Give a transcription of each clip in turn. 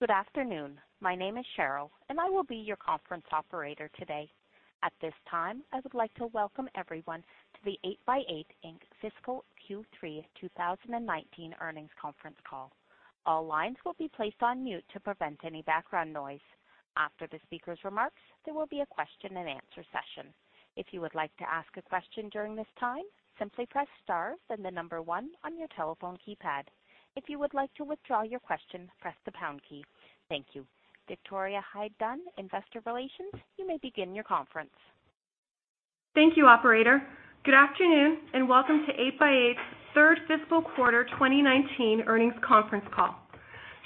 Good afternoon. My name is Cheryl, and I will be your conference operator today. At this time, I would like to welcome everyone to the 8x8, Inc. Fiscal Q3 2019 Earnings Conference Call. All lines will be placed on mute to prevent any background noise. After the speaker's remarks, there will be a question and answer session. If you would like to ask a question during this time, simply press star then the number one on your telephone keypad. If you would like to withdraw your question, press the pound key. Thank you. Victoria Hyde-Dunn, Investor Relations, you may begin your conference. Thank you, operator. Good afternoon, welcome to 8x8's third fiscal quarter 2019 earnings conference call.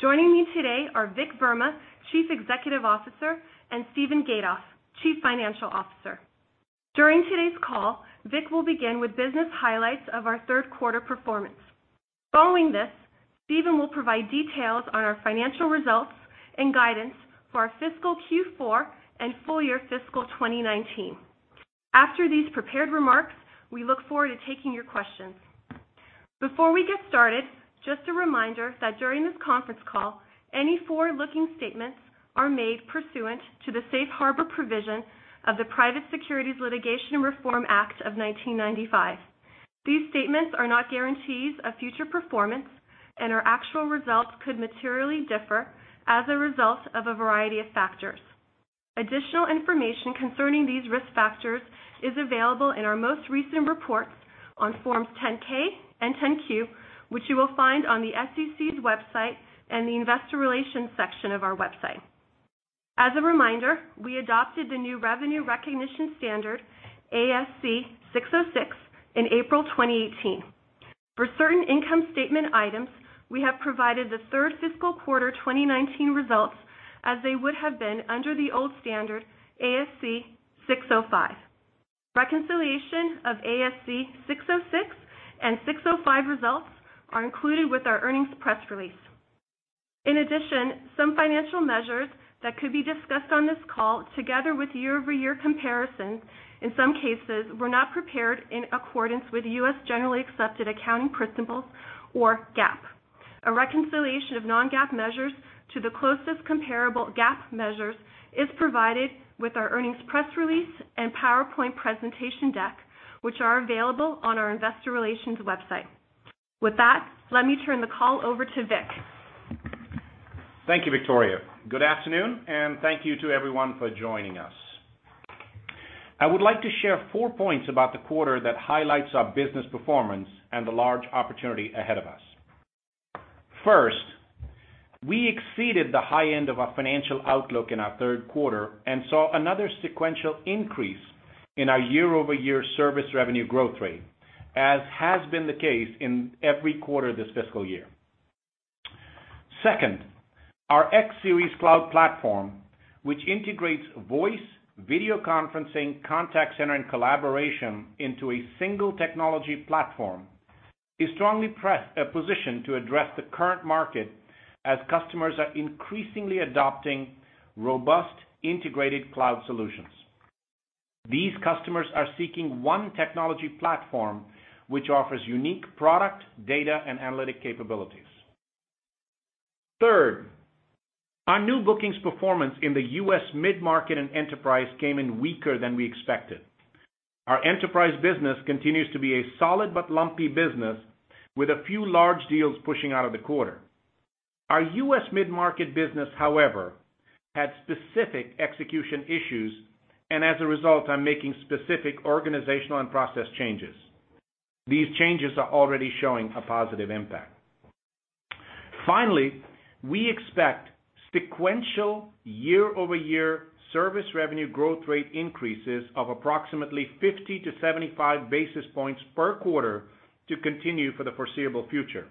Joining me today are Vikram Verma, Chief Executive Officer, and Steven Gatoff, Chief Financial Officer. During today's call, Vik will begin with business highlights of our third quarter performance. Following this, Steven will provide details on our financial results and guidance for our fiscal Q4 and full year fiscal 2019. After these prepared remarks, we look forward to taking your questions. Before we get started, just a reminder that during this conference call, any forward-looking statements are made pursuant to the safe harbor provision of the Private Securities Litigation Reform Act of 1995. These statements are not guarantees of future performance and our actual results could materially differ as a result of a variety of factors. Additional information concerning these risk factors is available in our most recent reports on forms 10-K and 10-Q, which you will find on the SEC's website and the investor relations section of our website. As a reminder, we adopted the new revenue recognition standard, ASC 606, in April 2018. For certain income statement items, we have provided the third fiscal quarter 2019 results as they would have been under the old standard, ASC 605. Reconciliation of ASC 606 and 605 results are included with our earnings press release. In addition, some financial measures that could be discussed on this call together with year-over-year comparisons, in some cases were not prepared in accordance with U.S. generally accepted accounting principles or GAAP. A reconciliation of non-GAAP measures to the closest comparable GAAP measures is provided with our earnings press release and PowerPoint presentation deck, which are available on our investor relations website. With that, let me turn the call over to Vik. Thank you, Victoria. Good afternoon, thank you to everyone for joining us. I would like to share 4 points about the quarter that highlights our business performance and the large opportunity ahead of us. First, we exceeded the high end of our financial outlook in our third quarter and saw another sequential increase in our year-over-year service revenue growth rate, as has been the case in every quarter this fiscal year. Second, our X Series cloud platform, which integrates voice, video conferencing, contact center, and collaboration into a single technology platform, is strongly positioned to address the current market as customers are increasingly adopting robust integrated cloud solutions. These customers are seeking one technology platform which offers unique product, data, and analytic capabilities. Third, our new bookings performance in the U.S. mid-market and enterprise came in weaker than we expected. Our enterprise business continues to be a solid but lumpy business with a few large deals pushing out of the quarter. Our U.S. mid-market business, however, had specific execution issues, as a result, I'm making specific organizational and process changes. These changes are already showing a positive impact. Finally, we expect sequential year-over-year service revenue growth rate increases of approximately 50 to 75 basis points per quarter to continue for the foreseeable future.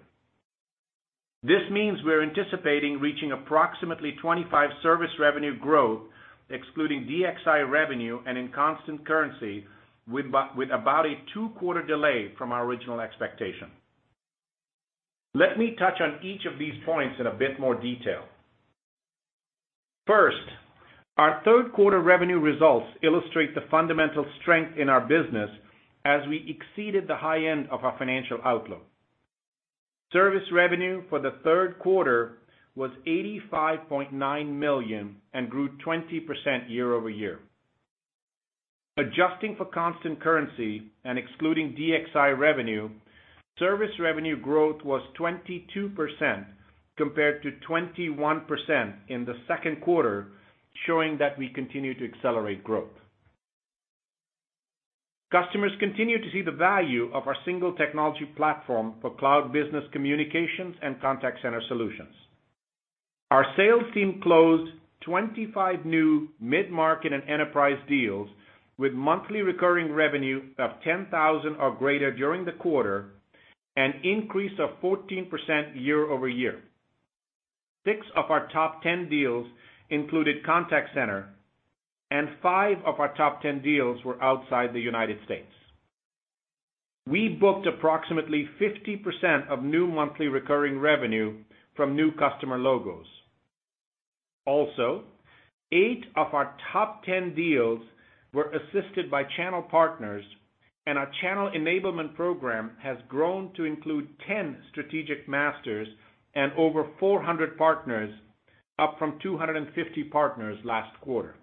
This means we're anticipating reaching approximately 25% service revenue growth, excluding DXI revenue and in constant currency with about a two-quarter delay from our original expectation. Let me touch on each of these points in a bit more detail. First, our third quarter revenue results illustrate the fundamental strength in our business as we exceeded the high end of our financial outlook. Service revenue for the third quarter was $85.9 million and grew 20% year-over-year. Adjusting for constant currency and excluding DXI revenue, service revenue growth was 22% compared to 21% in the second quarter, showing that we continue to accelerate growth. Customers continue to see the value of our single technology platform for cloud business communications and contact center solutions. Our sales team closed 25 new mid-market and enterprise deals with monthly recurring revenue of $10,000 or greater during the quarter, an increase of 14% year-over-year. Six of our top 10 deals included contact center, 5 of our top 10 deals were outside the U.S. We booked approximately 50% of new monthly recurring revenue from new customer logos. Also, 8 of our top 10 deals were assisted by channel partners, our channel enablement program has grown to include 10 strategic masters and over 400 partners, up from 250 partners last quarter.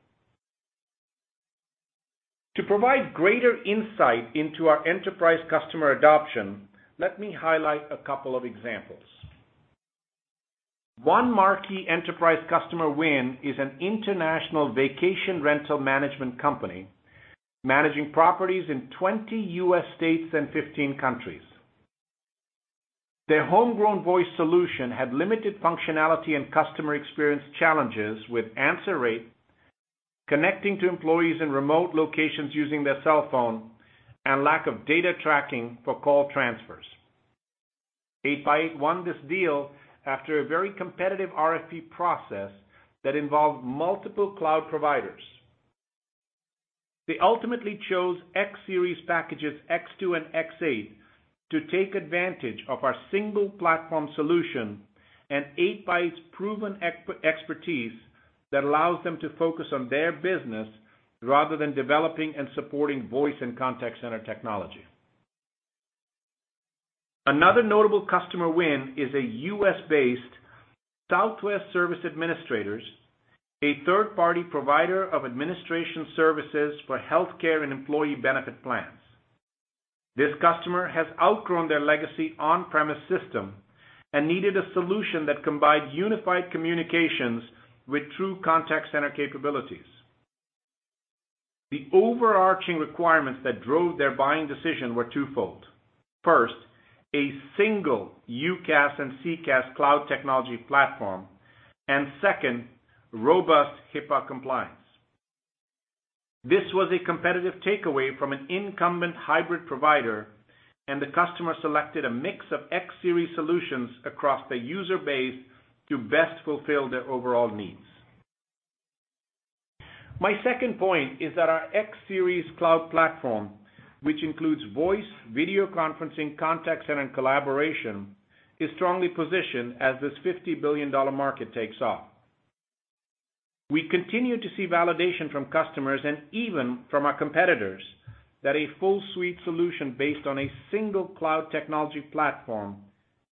To provide greater insight into our enterprise customer adoption, let me highlight a couple of examples. One marquee enterprise customer win is an international vacation rental management company, managing properties in 20 U.S. states and 15 countries. Their homegrown voice solution had limited functionality and customer experience challenges with answer rate, connecting to employees in remote locations using their cell phone, and lack of data tracking for call transfers. 8x8 won this deal after a very competitive RFP process that involved multiple cloud providers. They ultimately chose X Series packages, X2 and X8, to take advantage of our single-platform solution and 8x8's proven expertise that allows them to focus on their business rather than developing and supporting voice and contact center technology. Another notable customer win is a U.S.-based Southwest Service Administrators, a third-party provider of administration services for healthcare and employee benefit plans. This customer has outgrown their legacy on-premise system and needed a solution that combined unified communications with true contact center capabilities. The overarching requirements that drove their buying decision were twofold. First, a single UCaaS and CCaaS cloud technology platform, and second, robust HIPAA compliance. This was a competitive takeaway from an incumbent hybrid provider, and the customer selected a mix of X-Series solutions across the user base to best fulfill their overall needs. My second point is that our X-Series cloud platform, which includes voice, video conferencing, contact center, and collaboration, is strongly positioned as this $50 billion market takes off. We continue to see validation from customers and even from our competitors that a full suite solution based on a single cloud technology platform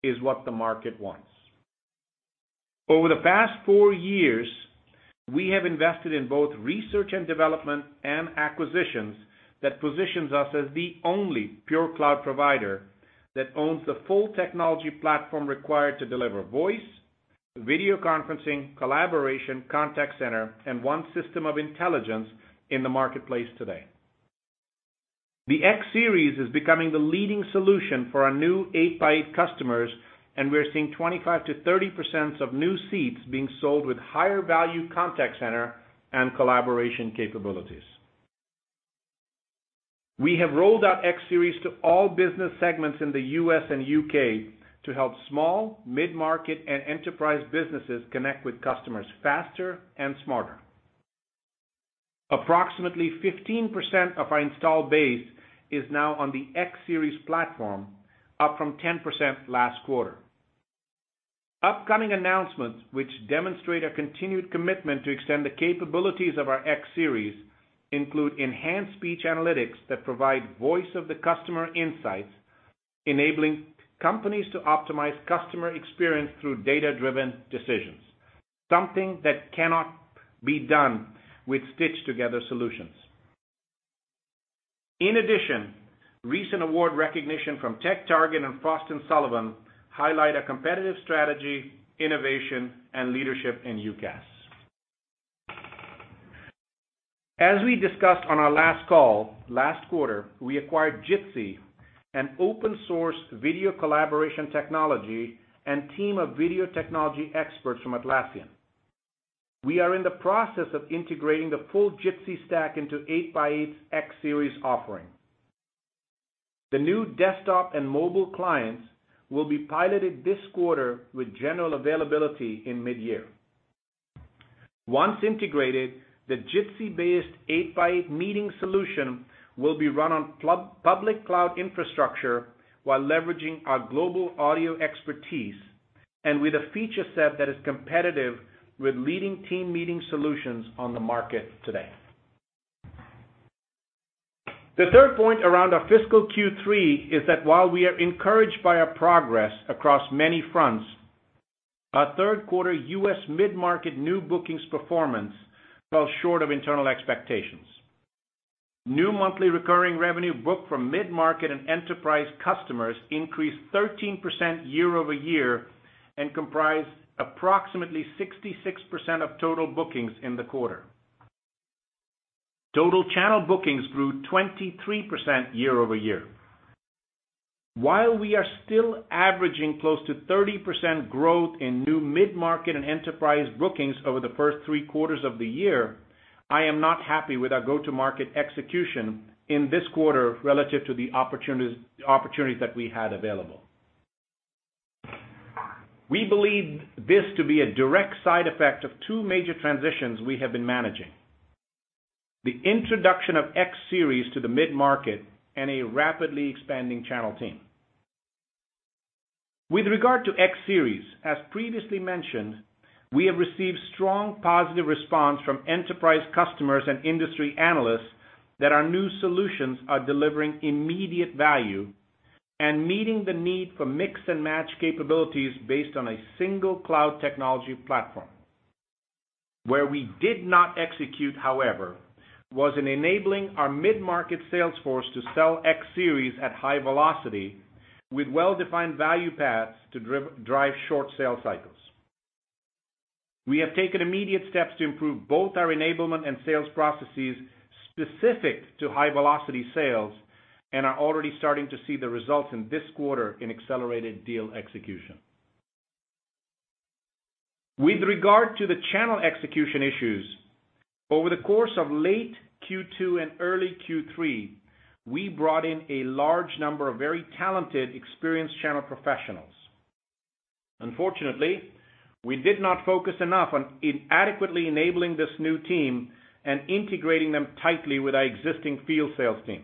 is what the market wants. Over the past four years, we have invested in both research and development and acquisitions that positions us as the only pure cloud provider that owns the full technology platform required to deliver voice, video conferencing, collaboration, contact center, and one system of intelligence in the marketplace today. The X-Series is becoming the leading solution for our new 8x8 customers, and we're seeing 25%-30% of new seats being sold with higher value contact center and collaboration capabilities. We have rolled out X-Series to all business segments in the U.S. and U.K. to help small, mid-market, and enterprise businesses connect with customers faster and smarter. Approximately 15% of our installed base is now on the X-Series platform, up from 10% last quarter. Upcoming announcements, which demonstrate a continued commitment to extend the capabilities of our X-Series, include enhanced speech analytics that provide voice-of-the-customer insights, enabling companies to optimize customer experience through data-driven decisions, something that cannot be done with stitched-together solutions. In addition, recent award recognition from TechTarget and Frost & Sullivan highlight a competitive strategy, innovation, and leadership in UCaaS. As we discussed on our last call, last quarter, we acquired Jitsi, an open-source video collaboration technology and team of video technology experts from Atlassian. We are in the process of integrating the full Jitsi stack into 8x8's X-Series offering. The new desktop and mobile clients will be piloted this quarter with general availability in mid-year. Once integrated, the Jitsi-based 8x8 meeting solution will be run on public cloud infrastructure while leveraging our global audio expertise and with a feature set that is competitive with leading team meeting solutions on the market today. The third point around our fiscal Q3 is that while we are encouraged by our progress across many fronts, our third-quarter U.S. mid-market new bookings performance fell short of internal expectations. New monthly recurring revenue booked from mid-market and enterprise customers increased 13% year-over-year and comprised approximately 66% of total bookings in the quarter. Total channel bookings grew 23% year-over-year. While we are still averaging close to 30% growth in new mid-market and enterprise bookings over the first three quarters of the year, I am not happy with our go-to-market execution in this quarter relative to the opportunities that we had available. We believe this to be a direct side effect of two major transitions we have been managing: the introduction of X Series to the mid-market and a rapidly expanding channel team. With regard to X Series, as previously mentioned, we have received strong positive response from enterprise customers and industry analysts that our new solutions are delivering immediate value and meeting the need for mix-and-match capabilities based on a single cloud technology platform. Where we did not execute, however, was in enabling our mid-market sales force to sell X Series at high velocity with well-defined value paths to drive short sales cycles. We have taken immediate steps to improve both our enablement and sales processes specific to high-velocity sales and are already starting to see the results in this quarter in accelerated deal execution. With regard to the channel execution issues, over the course of late Q2 and early Q3, we brought in a large number of very talented, experienced channel professionals. Unfortunately, we did not focus enough on adequately enabling this new team and integrating them tightly with our existing field sales team.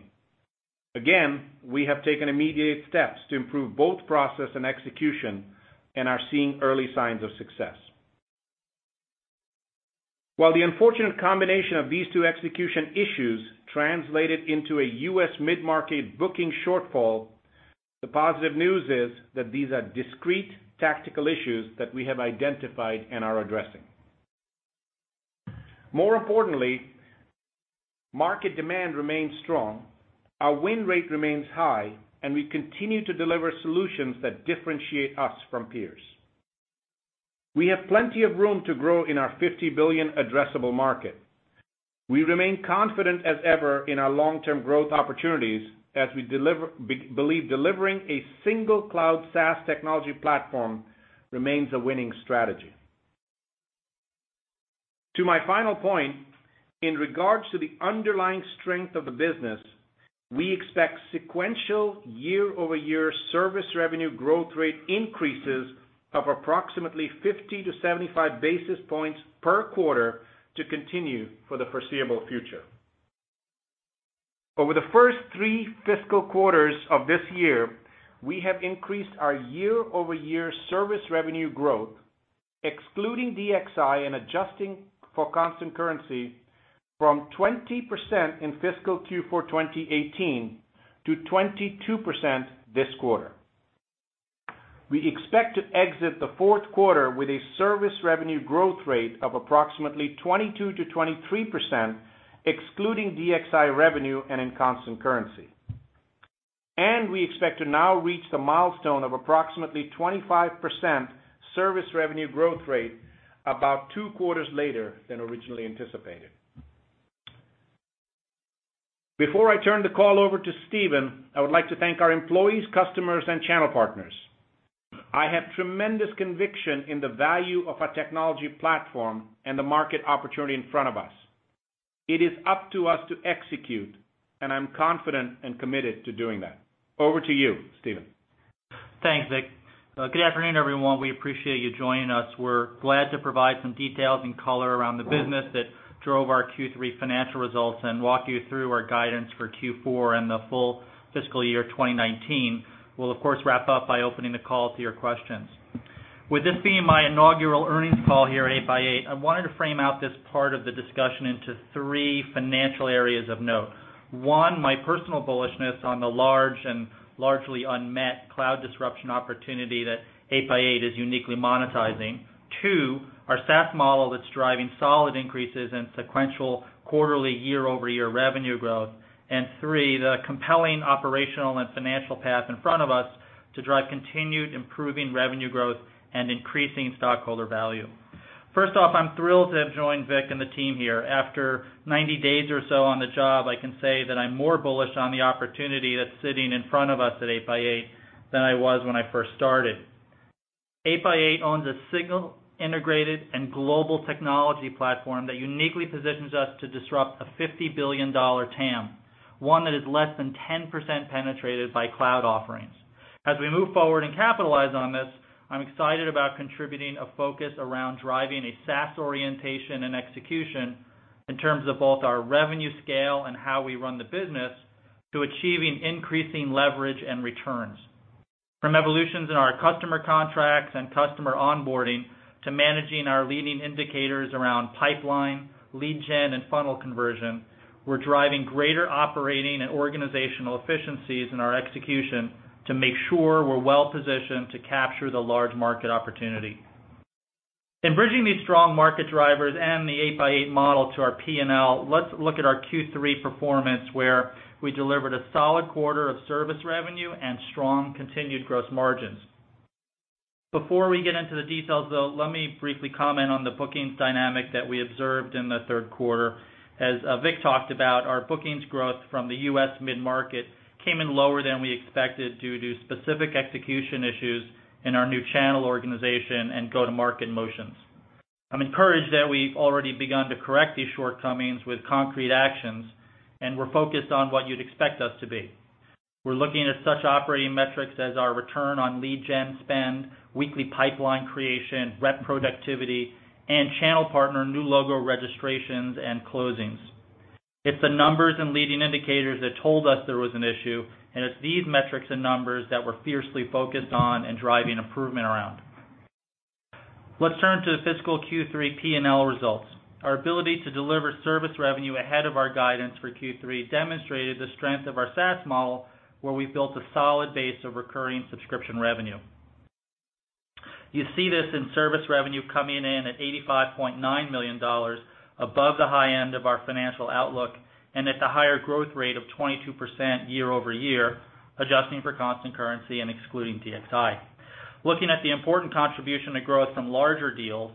Again, we have taken immediate steps to improve both process and execution and are seeing early signs of success. While the unfortunate combination of these two execution issues translated into a U.S. mid-market booking shortfall, the positive news is that these are discrete tactical issues that we have identified and are addressing. More importantly, market demand remains strong, our win rate remains high, and we continue to deliver solutions that differentiate us from peers. We have plenty of room to grow in our $50 billion addressable market. We remain confident as ever in our long-term growth opportunities as we believe delivering a single cloud SaaS technology platform remains a winning strategy. To my final point, in regards to the underlying strength of the business, we expect sequential year-over-year service revenue growth rate increases of approximately 50 to 75 basis points per quarter to continue for the foreseeable future. Over the first three fiscal quarters of this year, we have increased our year-over-year service revenue growth, excluding DXI and adjusting for constant currency from 20% in fiscal Q4 2018 to 22% this quarter. We expect to exit the fourth quarter with a service revenue growth rate of approximately 22%-23%, excluding DXI revenue and in constant currency. We expect to now reach the milestone of approximately 25% service revenue growth rate about two quarters later than originally anticipated. Before I turn the call over to Steven, I would like to thank our employees, customers, and channel partners. I have tremendous conviction in the value of our technology platform and the market opportunity in front of us. It is up to us to execute, and I'm confident and committed to doing that. Over to you, Steven. Thanks, Vik. Good afternoon, everyone. We appreciate you joining us. We're glad to provide some details and color around the business that drove our Q3 financial results and walk you through our guidance for Q4 and the full fiscal year 2019. We'll of course, wrap up by opening the call to your questions. With this being my inaugural earnings call here at 8x8, I wanted to frame out this part of the discussion into three financial areas of note. One, my personal bullishness on the large and largely unmet cloud disruption opportunity that 8x8 is uniquely monetizing. Two, our SaaS model that's driving solid increases in sequential quarterly year-over-year revenue growth. Three, the compelling operational and financial path in front of us to drive continued improving revenue growth and increasing stockholder value. First off, I'm thrilled to have joined Vik and the team here. After 90 days or so on the job, I can say that I'm more bullish on the opportunity that's sitting in front of us at 8x8 than I was when I first started. 8x8 owns a signal integrated and global technology platform that uniquely positions us to disrupt a $50 billion TAM, 1 that is less than 10% penetrated by cloud offerings. I'm excited about contributing a focus around driving a SaaS orientation and execution in terms of both our revenue scale and how we run the business to achieving increasing leverage and returns. From evolutions in our customer contracts and customer onboarding to managing our leading indicators around pipeline, lead gen, and funnel conversion, we're driving greater operating and organizational efficiencies in our execution to make sure we're well-positioned to capture the large market opportunity. Bridging these strong market drivers and the 8x8 model to our P&L, let's look at our Q3 performance, where we delivered a solid quarter of service revenue and strong continued gross margins. Before we get into the details, though, let me briefly comment on the bookings dynamic that we observed in the third quarter. As Vik talked about, our bookings growth from the U.S. mid-market came in lower than we expected due to specific execution issues in our new channel organization and go-to-market motions. I'm encouraged that we've already begun to correct these shortcomings with concrete actions. We're focused on what you'd expect us to be. We're looking at such operating metrics as our return on lead gen spend, weekly pipeline creation, rep productivity, and channel partner new logo registrations and closings. It's the numbers and leading indicators that told us there was an issue. It's these metrics and numbers that we're fiercely focused on and driving improvement around. Let's turn to the fiscal Q3 P&L results. Our ability to deliver service revenue ahead of our guidance for Q3 demonstrated the strength of our SaaS model, where we've built a solid base of recurring subscription revenue. You see this in service revenue coming in at $85.9 million, above the high end of our financial outlook. At the higher growth rate of 22% year-over-year, adjusting for constant currency and excluding DXI. Looking at the important contribution to growth from larger deals,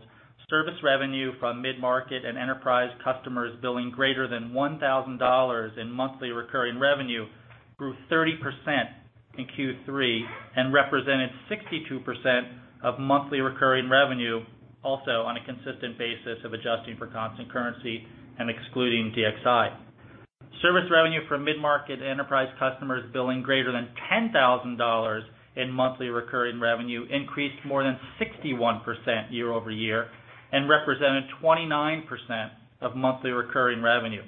service revenue from mid-market and enterprise customers billing greater than $1,000 in monthly recurring revenue grew 30% in Q3 and represented 62% of monthly recurring revenue, also on a consistent basis of adjusting for constant currency and excluding DXI. Service revenue for mid-market enterprise customers billing greater than $10,000 in monthly recurring revenue increased more than 61% year-over-year and represented 29% of monthly recurring revenue.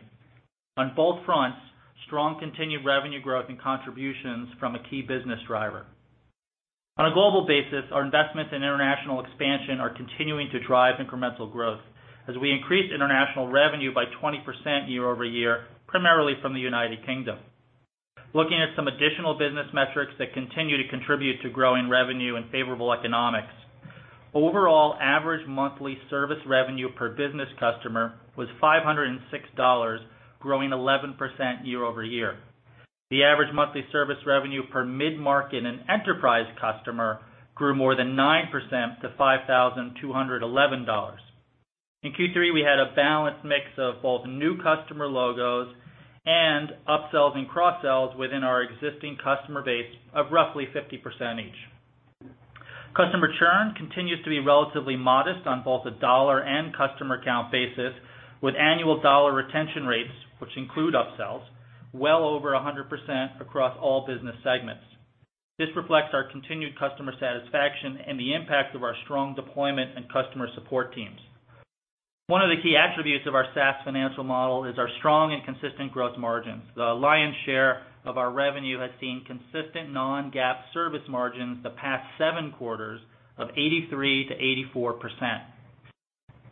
On both fronts, strong continued revenue growth and contributions from a key business driver. On a global basis, our investments in international expansion are continuing to drive incremental growth, as we increase international revenue by 20% year-over-year, primarily from the United Kingdom. Looking at some additional business metrics that continue to contribute to growing revenue and favorable economics. Overall average monthly service revenue per business customer was $506, growing 11% year-over-year. The average monthly service revenue per mid-market and enterprise customer grew more than 9% to $5,211. In Q3, we had a balanced mix of both new customer logos and upsells and cross-sells within our existing customer base of roughly 50% each. Customer churn continues to be relatively modest on both a dollar and customer count basis, with annual dollar retention rates, which include upsells, well over 100% across all business segments. This reflects our continued customer satisfaction and the impact of our strong deployment and customer support teams. One of the key attributes of our SaaS financial model is our strong and consistent gross margins. The lion's share of our revenue has seen consistent non-GAAP service margins the past seven quarters of 83%-84%.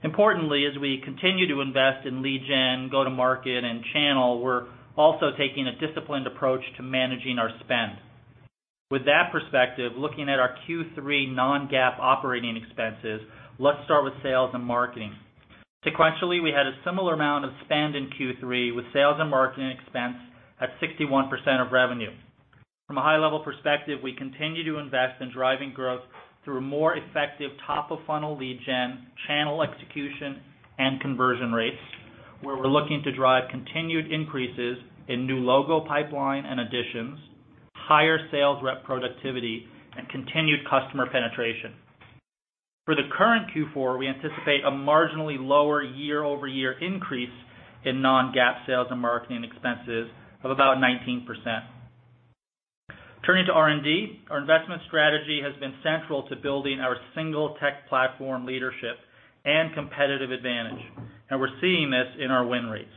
Importantly, as we continue to invest in lead gen, go-to-market, and channel, we're also taking a disciplined approach to managing our spend. With that perspective, looking at our Q3 non-GAAP operating expenses, let's start with sales and marketing. Sequentially, we had a similar amount of spend in Q3, with sales and marketing expense at 61% of revenue. From a high-level perspective, we continue to invest in driving growth through more effective top-of-funnel lead gen, channel execution, and conversion rates, where we're looking to drive continued increases in new logo pipeline and additions, higher sales rep productivity, and continued customer penetration. For the current Q4, we anticipate a marginally lower year-over-year increase in non-GAAP sales and marketing expenses of about 19%. Turning to R&D, our investment strategy has been central to building our single tech platform leadership and competitive advantage, and we're seeing this in our win rates.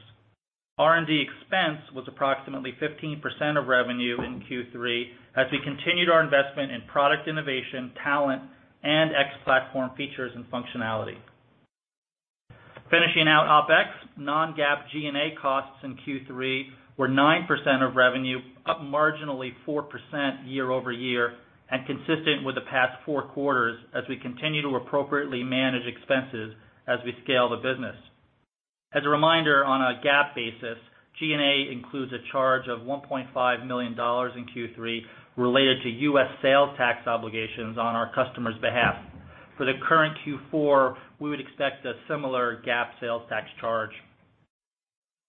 R&D expense was approximately 15% of revenue in Q3 as we continued our investment in product innovation, talent, and x platform features and functionality. Finishing out OpEx, non-GAAP G&A costs in Q3 were 9% of revenue, up marginally 4% year-over-year, and consistent with the past four quarters as we continue to appropriately manage expenses as we scale the business. As a reminder, on a GAAP basis, G&A includes a charge of $1.5 million in Q3 related to U.S. sales tax obligations on our customers' behalf. For the current Q4, we would expect a similar GAAP sales tax charge.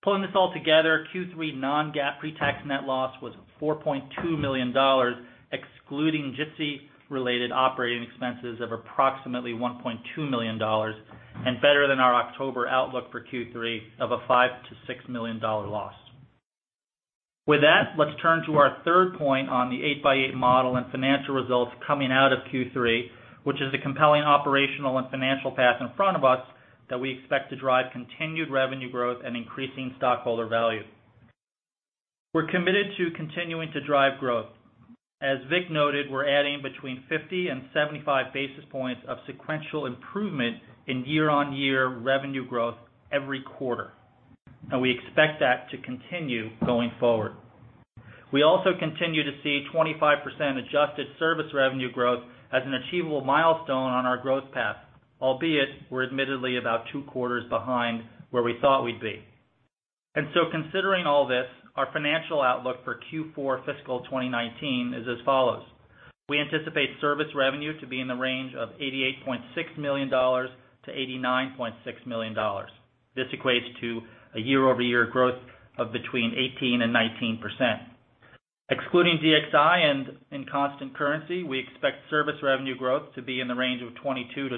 Pulling this all together, Q3 non-GAAP pre-tax net loss was $4.2 million, excluding Jitsi-related operating expenses of approximately $1.2 million, and better than our October outlook for Q3 of a $5 million-$6 million loss. With that, let's turn to our third point on the 8x8 model and financial results coming out of Q3, which is the compelling operational and financial path in front of us that we expect to drive continued revenue growth and increasing stockholder value. We're committed to continuing to drive growth. As Vik noted, we're adding between 50 and 75 basis points of sequential improvement in year-over-year revenue growth every quarter, and we expect that to continue going forward. We also continue to see 25% adjusted service revenue growth as an achievable milestone on our growth path, albeit we're admittedly about two quarters behind where we thought we'd be. Considering all this, our financial outlook for Q4 fiscal 2019 is as follows. We anticipate service revenue to be in the range of $88.6 million-$89.6 million. This equates to a year-over-year growth of between 18%-19%. Excluding DXI and in constant currency, we expect service revenue growth to be in the range of 22%-23%.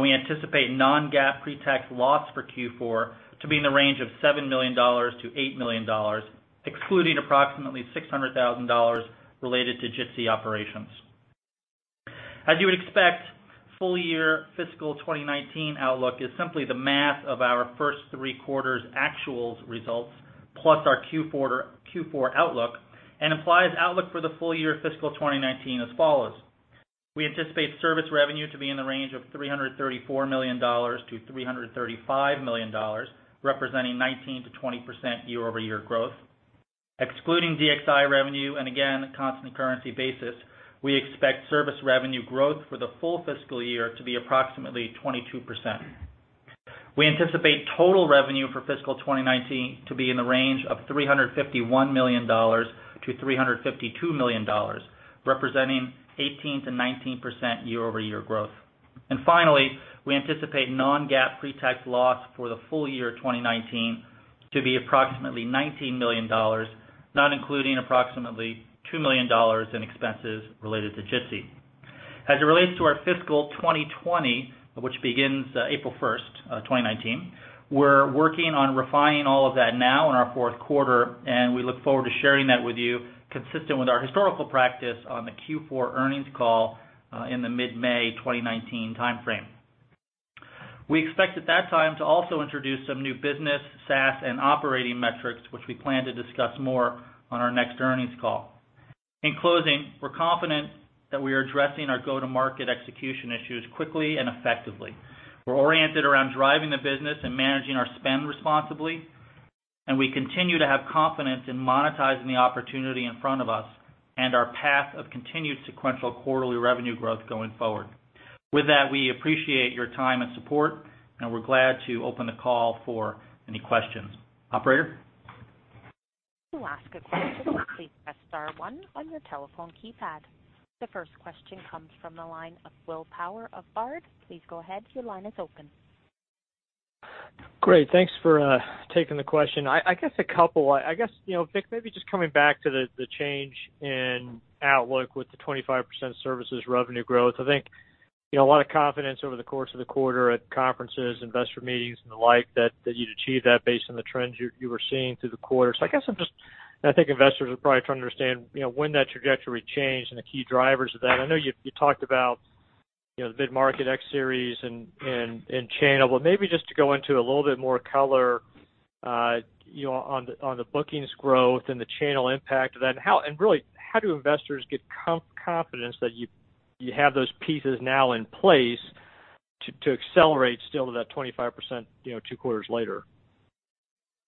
We anticipate non-GAAP pre-tax loss for Q4 to be in the range of $7 million-$8 million, excluding approximately $600,000 related to Jitsi operations. As you would expect, full year fiscal 2019 outlook is simply the math of our first three quarters actuals results, plus our Q4 outlook, and implies outlook for the full year fiscal 2019 as follows. We anticipate service revenue to be in the range of $334 million-$335 million, representing 19%-20% year-over-year growth. Excluding DXI revenue, again, constant currency basis, we expect service revenue growth for the full fiscal year to be approximately 22%. We anticipate total revenue for fiscal 2019 to be in the range of $351 million-$352 million, representing 18%-19% year-over-year growth. Finally, we anticipate non-GAAP pre-tax loss for the full year 2019 to be approximately $19 million, not including approximately $2 million in expenses related to Jitsi. As it relates to our fiscal 2020, which begins April 1st, 2019, we're working on refining all of that now in our fourth quarter. We look forward to sharing that with you consistent with our historical practice on the Q4 earnings call in the mid-May 2019 timeframe. We expect at that time to also introduce some new business, SaaS, and operating metrics, which we plan to discuss more on our next earnings call. We're confident that we are addressing our go-to-market execution issues quickly and effectively. We're oriented around driving the business and managing our spend responsibly. We continue to have confidence in monetizing the opportunity in front of us and our path of continued sequential quarterly revenue growth going forward. With that, we appreciate your time and support. We're glad to open the call for any questions. Operator? To ask a question, please press star one on your telephone keypad. The first question comes from the line of William Power of Baird. Please go ahead, your line is open. Great. Thanks for taking the question. I guess a couple. I guess, Vik, maybe just coming back to the change in outlook with the 25% services revenue growth. I think a lot of confidence over the course of the quarter at conferences, investor meetings, and the like, that you'd achieve that based on the trends you were seeing through the quarter. I think investors are probably trying to understand when that trajectory changed and the key drivers of that. I know you talked about the mid-market X Series and channel, but maybe just to go into a little bit more color on the bookings growth and the channel impact of that. Really, how do investors get confidence that you have those pieces now in place to accelerate still to that 25% two quarters later?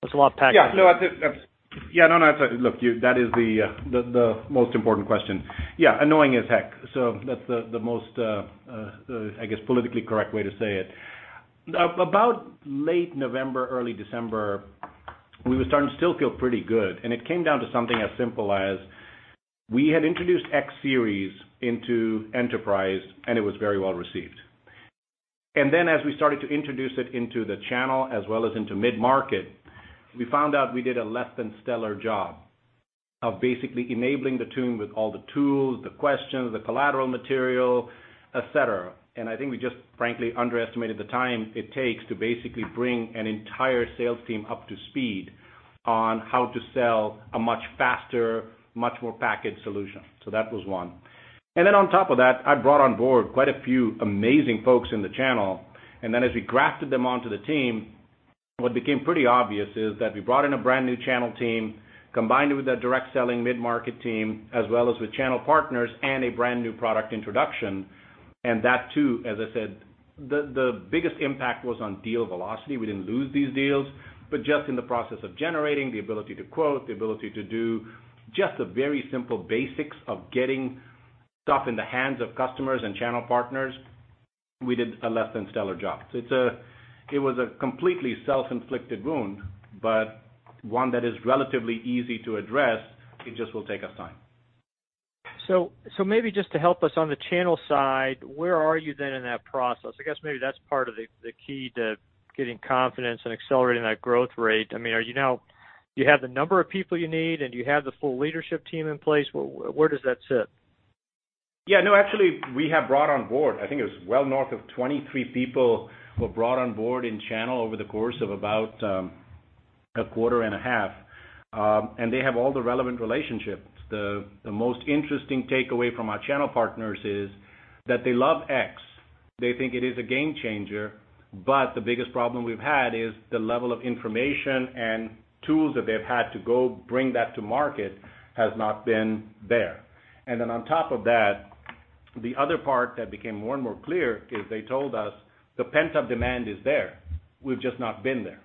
That's a lot packed in there. Yeah, no, absolutely. Look, that is the most important question. Yeah, annoying as heck. That's the most, I guess, politically correct way to say it. About late November, early December, we were starting to still feel pretty good, and it came down to something as simple as we had introduced X Series into Enterprise, and it was very well received. Then as we started to introduce it into the channel as well as into mid-market, we found out we did a less than stellar job of basically enabling the team with all the tools, the questions, the collateral material, et cetera. I think we just frankly underestimated the time it takes to basically bring an entire sales team up to speed on how to sell a much faster, much more packaged solution. That was one. Then on top of that, I brought on board quite a few amazing folks in the channel, and then as we grafted them onto the team, what became pretty obvious is that we brought in a brand-new channel team, combined it with a direct selling mid-market team, as well as with channel partners and a brand-new product introduction. That too, as I said, the biggest impact was on deal velocity. We didn't lose these deals, but just in the process of generating, the ability to quote, the ability to do just the very simple basics of getting stuff in the hands of customers and channel partners, we did a less than stellar job. It was a completely self-inflicted wound, but one that is relatively easy to address. It just will take us time. Maybe just to help us on the channel side, where are you then in that process? I guess maybe that's part of the key to getting confidence and accelerating that growth rate. Do you have the number of people you need, and do you have the full leadership team in place? Where does that sit? Yeah, no, actually, we have brought on board, I think it was well north of 23 people who were brought on board in channel over the course of about a quarter and a half. They have all the relevant relationships. The most interesting takeaway from our channel partners is that they love X. They think it is a game changer, the biggest problem we've had is the level of information and tools that they've had to go bring that to market has not been there. On top of that, the other part that became more and more clear is they told us the pent-up demand is there. We've just not been there.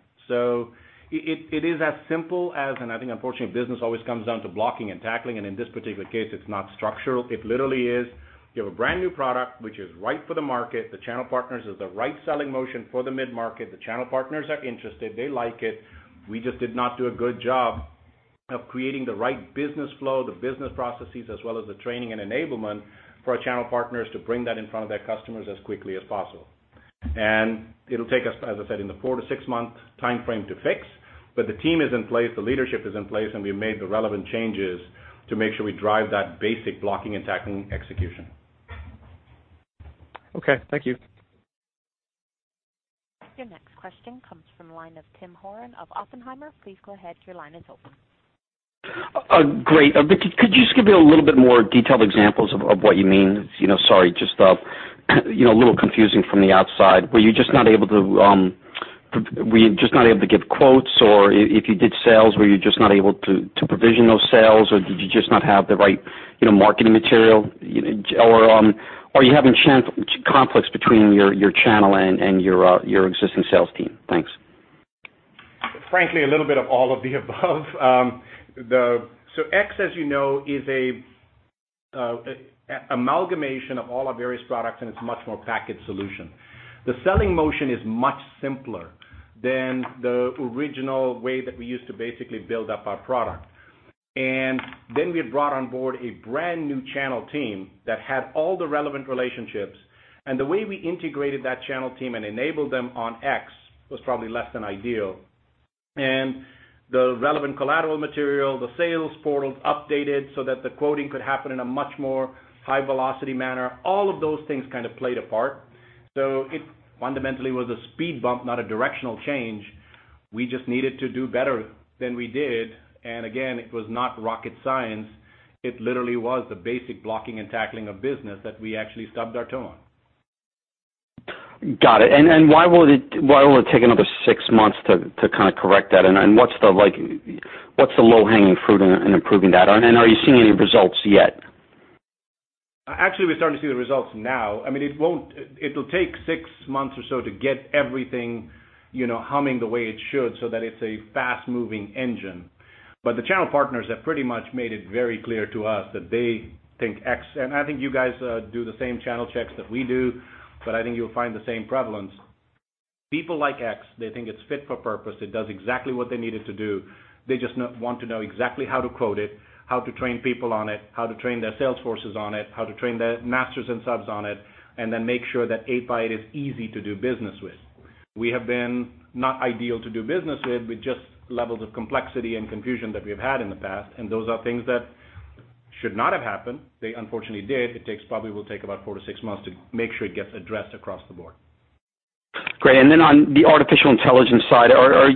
It is as simple as, and I think unfortunately, business always comes down to blocking and tackling, and in this particular case, it's not structural. It literally is, you have a brand-new product, which is right for the market. The channel partners is the right selling motion for the mid-market. The channel partners are interested. They like it. We just did not do a good job of creating the right business flow, the business processes, as well as the training and enablement for our channel partners to bring that in front of their customers as quickly as possible. It'll take us, as I said, in the 4-6-month timeframe to fix, the team is in place, the leadership is in place, we've made the relevant changes to make sure we drive that basic blocking and tackling execution. Okay. Thank you. Your next question comes from the line of Timothy Horan of Oppenheimer. Please go ahead, your line is open. Great. Could you just give a little bit more detailed examples of what you mean? Sorry, just a little confusing from the outside. Were you just not able to give quotes? If you did sales, were you just not able to provision those sales, or did you just not have the right marketing material? Are you having conflicts between your channel and your existing sales team? Thanks. Frankly, a little bit of all of the above. X, as you know, is an amalgamation of all our various products, and it's a much more packaged solution. The selling motion is much simpler than the original way that we used to basically build up our product. Then we brought on board a brand-new channel team that had all the relevant relationships, and the way we integrated that channel team and enabled them on X was probably less than ideal. The relevant collateral material, the sales portals updated so that the quoting could happen in a much more high-velocity manner. All of those things kind of played a part. It fundamentally was a speed bump, not a directional change. We just needed to do better than we did. Again, it was not rocket science. It literally was the basic blocking and tackling of business that we actually stubbed our toe on. Got it. Why will it take another six months to correct that? What's the low-hanging fruit in improving that? Are you seeing any results yet? Actually, we're starting to see the results now. It'll take six months or so to get everything humming the way it should so that it's a fast-moving engine. The channel partners have pretty much made it very clear to us that they think X, and I think you guys do the same channel checks that we do, but I think you'll find the same prevalence. People like X. They think it's fit for purpose. It does exactly what they need it to do. They just want to know exactly how to quote it, how to train people on it, how to train their sales forces on it, how to train their masters and subs on it, then make sure that 8x8 is easy to do business with. We have been not ideal to do business with just levels of complexity and confusion that we've had in the past. Those are things that should not have happened. They unfortunately did. It probably will take about 4-6 months to make sure it gets addressed across the board. Great. On the artificial intelligence side, have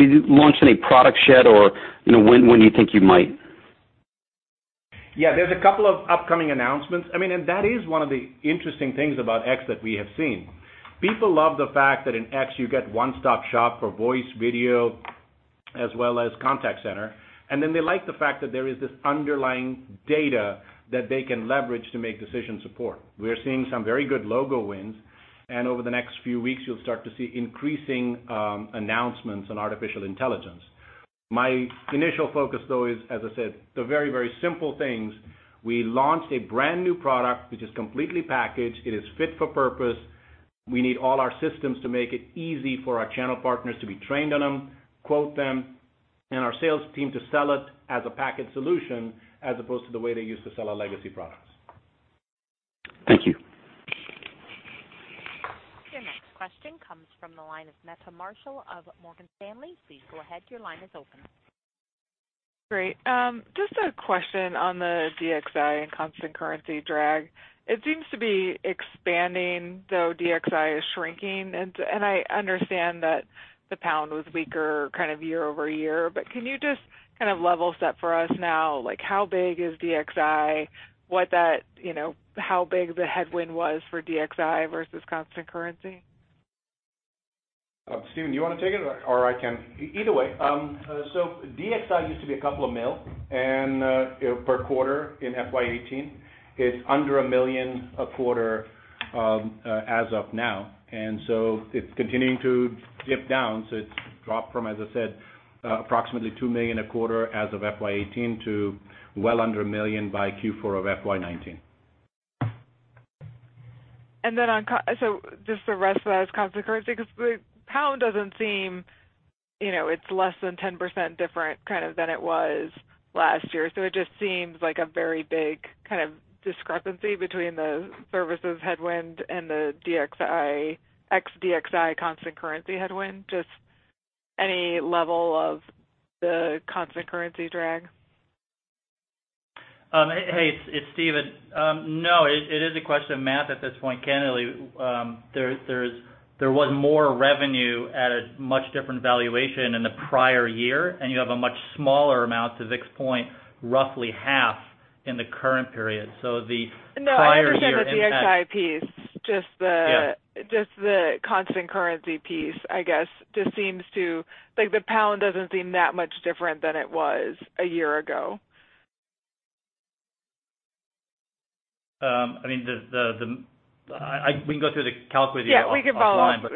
you launched any products yet? When do you think you might? Yeah, there's a couple of upcoming announcements. That is one of the interesting things about X that we have seen. People love the fact that in X, you get one-stop shop for voice, video, as well as contact center. Then they like the fact that there is this underlying data that they can leverage to make decision support. We're seeing some very good logo wins, and over the next few weeks, you'll start to see increasing announcements on artificial intelligence. My initial focus, though, is, as I said, the very, very simple things. We launched a brand-new product which is completely packaged. It is fit for purpose. We need all our systems to make it easy for our channel partners to be trained on them, quote them, and our sales team to sell it as a packaged solution as opposed to the way they used to sell our legacy products. Thank you. Your next question comes from the line of Meta Marshall of Morgan Stanley. Please go ahead, your line is open. Great. Just a question on the DXI and constant currency drag. It seems to be expanding, though DXI is shrinking. I understand that the pound was weaker year-over-year. Can you just level set for us now, how big is DXI? How big the headwind was for DXI versus constant currency? Steven, do you want to take it or I can? Either way. DXI used to be a couple of mil per quarter in FY 2018. It's under 1 million a quarter as of now. It's continuing to dip down. It's dropped from, as I said, approximately 2 million a quarter as of FY 2018 to well under 1 million by Q4 of FY 2019. Just the rest of that is constant currency? Because the pound doesn't seem, it's less than 10% different than it was last year. It just seems like a very big discrepancy between the services headwind and the ex-DXI constant currency headwind. Just any level of the constant currency drag? Hey, it's Steven. No, it is a question of math at this point. Candidly, there was more revenue at a much different valuation in the prior year, and you have a much smaller amount, to Vik's point, roughly half in the current period. The prior year impact- No, I understand the DXI piece. Yeah just the constant currency piece, I guess. The pound doesn't seem that much different than it was a year ago. We can go through the calculator offline.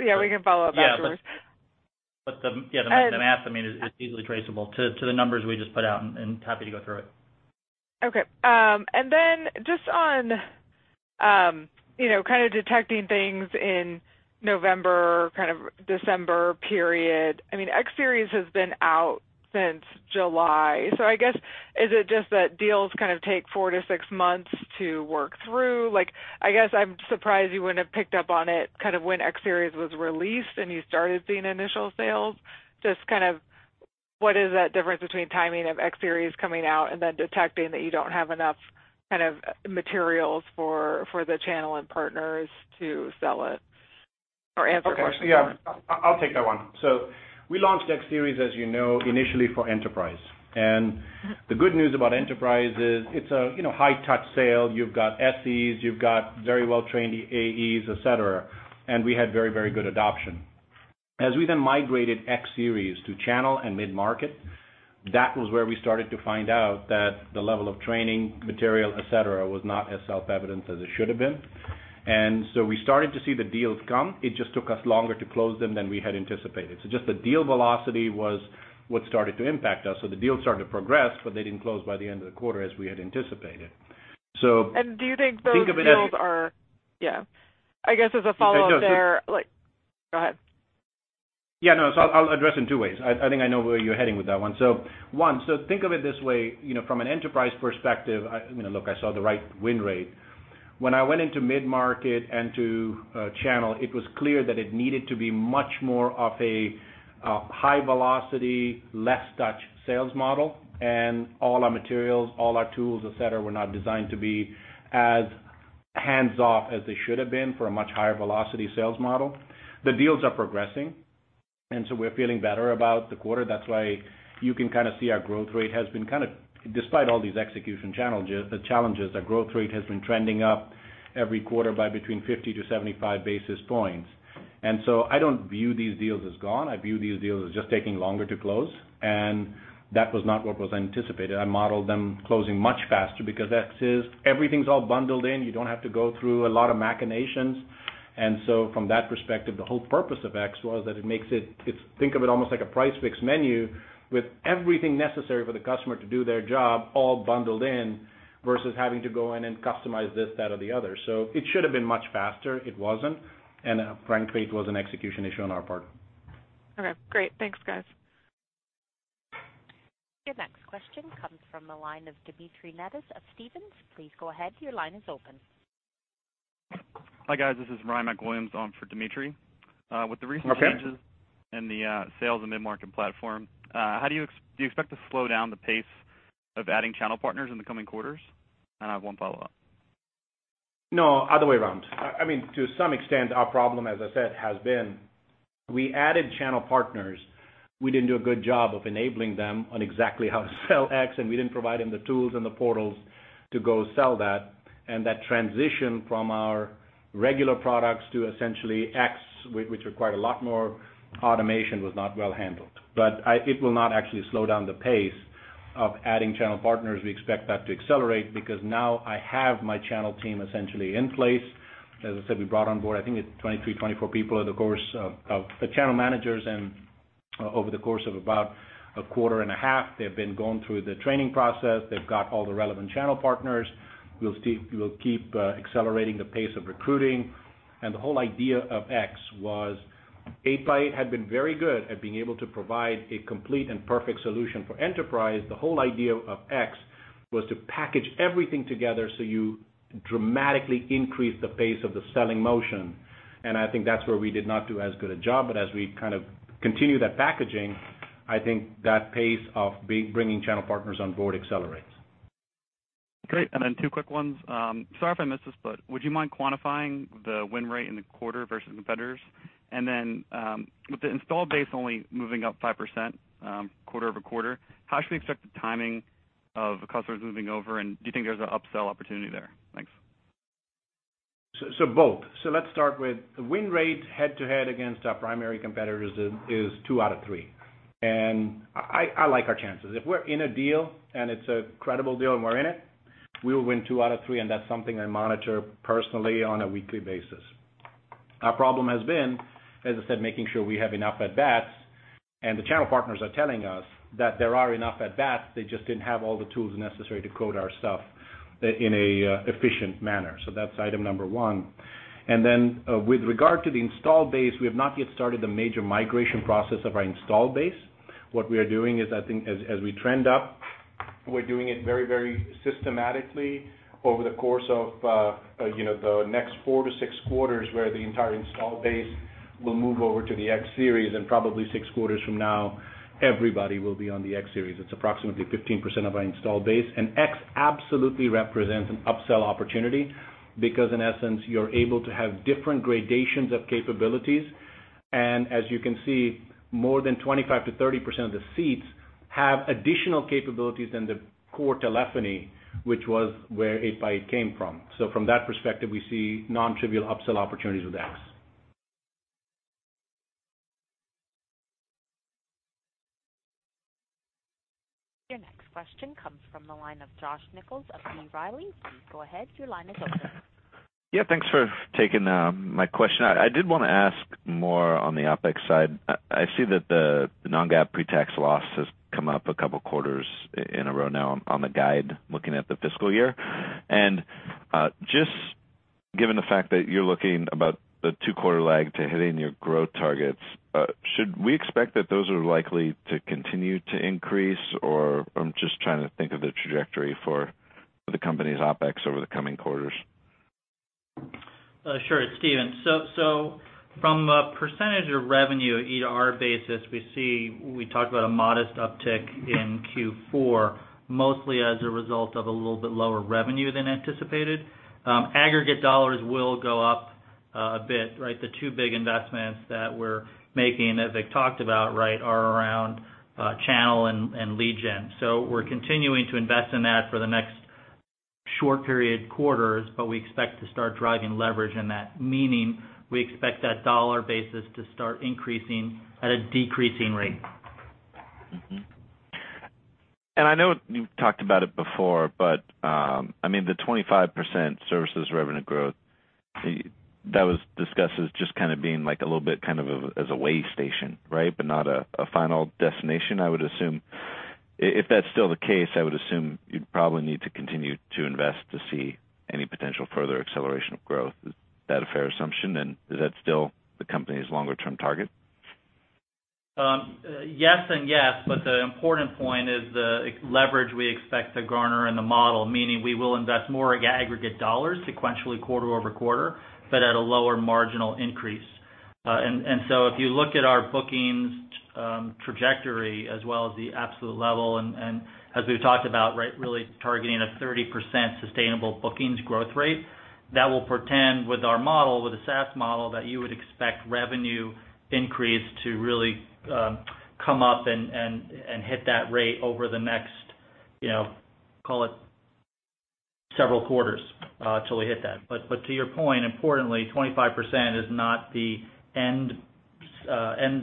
Yeah, we can follow up afterwards. The math is easily traceable to the numbers we just put out and happy to go through it. Then just on detecting things in November, December period. X Series has been out since July. I guess, is it just that deals take 4-6 months to work through? I guess I'm surprised you wouldn't have picked up on it when X Series was released and you started seeing initial sales. What is that difference between timing of X Series coming out and then detecting that you don't have enough materials for the channel and partners to sell it? Answer the question for me. I'll take that one. We launched X Series, as you know, initially for enterprise. The good news about enterprise is it's a high touch sale. You've got SEs, you've got very well-trained AEs, et cetera, and we had very good adoption. As we then migrated X Series to channel and mid-market, that was where we started to find out that the level of training material, et cetera, was not as self-evident as it should've been. We started to see the deals come. It just took us longer to close them than we had anticipated. Just the deal velocity was what started to impact us. The deals started to progress, but they didn't close by the end of the quarter as we had anticipated. Do you think those deals yeah. I guess as a follow-up there, like Go ahead. Yeah, no. I'll address in two ways. I think I know where you're heading with that one. One, think of it this way, from an enterprise perspective, look, I saw the right win rate. When I went into mid-market and to channel, it was clear that it needed to be much more of a high velocity, less touch sales model. All our materials, all our tools, et cetera, were not designed to be as hands-off as they should've been for a much higher velocity sales model. The deals are progressing, and so we're feeling better about the quarter. That's why you can see our growth rate has been, despite all these execution challenges, our growth rate has been trending up every quarter by between 50-75 basis points. I don't view these deals as gone. I view these deals as just taking longer to close, and that was not what was anticipated. I modeled them closing much faster because X is everything's all bundled in. You don't have to go through a lot of machinations. From that perspective, the whole purpose of X was that it makes it, think of it almost like a price fixed menu with everything necessary for the customer to do their job all bundled in, versus having to go in and customize this, that, or the other. It should've been much faster. It wasn't, and frankly, it was an execution issue on our part. Okay, great. Thanks, guys. Your next question comes from the line of Dmitry Netis of Stephens. Please go ahead, your line is open. Hi, guys. This is Ryan MacWilliams for Dmitry. Okay. With the recent changes in the sales and mid-market platform, do you expect to slow down the pace of adding channel partners in the coming quarters? I have one follow-up. No, other way around. To some extent, our problem, as I said, has been we added channel partners. We didn't do a good job of enabling them on exactly how to sell X, we didn't provide them the tools and the portals to go sell that. That transition from our regular products to essentially X, which required a lot more automation, was not well-handled. It will not actually slow down the pace of adding channel partners. We expect that to accelerate because now I have my channel team essentially in place. As I said, we brought on board, I think it's 23, 24 people over the course of the channel managers and over the course of about a quarter and a half, they've been going through the training process. They've got all the relevant channel partners. We'll keep accelerating the pace of recruiting. The whole idea of X was 8x8 had been very good at being able to provide a complete and perfect solution for enterprise. The whole idea of X was to package everything together so you dramatically increase the pace of the selling motion, I think that's where we did not do as good a job. As we continue that packaging, I think that pace of bringing channel partners on board accelerates. Great. Two quick ones. Sorry if I missed this, would you mind quantifying the win rate in the quarter versus competitors? With the install base only moving up 5% quarter-over-quarter, how should we expect the timing of customers moving over, do you think there's an upsell opportunity there? Thanks. Both. Let's start with win rate head-to-head against our primary competitors is two out of three. I like our chances. If we're in a deal, it's a credible deal, we're in it, we will win two out of three, that's something I monitor personally on a weekly basis. Our problem has been, as I said, making sure we have enough at bats, the channel partners are telling us that there are enough at bats. They just didn't have all the tools necessary to code our stuff in an efficient manner. That's item number one. With regard to the install base, we have not yet started the major migration process of our install base. What we are doing is I think as we trend up, we're doing it very systematically over the course of the next four to six quarters, where the entire install base will move over to the X Series, probably six quarters from now, everybody will be on the X Series. It's approximately 15% of our install base. X absolutely represents an upsell opportunity because in essence, you're able to have different gradations of capabilities, as you can see, more than 25%-30% of the seats have additional capabilities than the core telephony, which was where 8x8 came from. From that perspective, we see non-trivial upsell opportunities with X. Your next question comes from the line of Josh Nichols of B. Riley Securities. Please go ahead, your line is open. Thanks for taking my question. I did want to ask more on the OpEx side. I see that the non-GAAP pre-tax loss has come up a couple of quarters in a row now on the guide, looking at the fiscal year. Just given the fact that you're looking about a two-quarter lag to hitting your growth targets, should we expect that those are likely to continue to increase, or I'm just trying to think of the trajectory for the company's OpEx over the coming quarters? Sure. It's Steven. From a percentage of revenue ER basis, we talk about a modest uptick in Q4, mostly as a result of a little bit lower revenue than anticipated. Aggregate dollars will go up a bit. The two big investments that we're making, as I talked about, are around channel and lead gen. We're continuing to invest in that for the next short period quarters, but we expect to start driving leverage in that, meaning we expect that dollar basis to start increasing at a decreasing rate. I know you've talked about it before, but the 25% services revenue growth, that was discussed as just kind of being a little bit of as a way station, but not a final destination, I would assume. If that's still the case, I would assume you'd probably need to continue to invest to see any potential further acceleration of growth. Is that a fair assumption, and is that still the company's longer-term target? Yes and yes, the important point is the leverage we expect to garner in the model, meaning we will invest more aggregate dollars sequentially quarter-over-quarter, but at a lower marginal increase. If you look at our bookings trajectory as well as the absolute level and as we've talked about, really targeting a 30% sustainable bookings growth rate, that will portend with our model, with a SaaS model, that you would expect revenue increase to really come up and hit that rate over the next call it several quarters until we hit that. To your point, importantly, 25% is not the end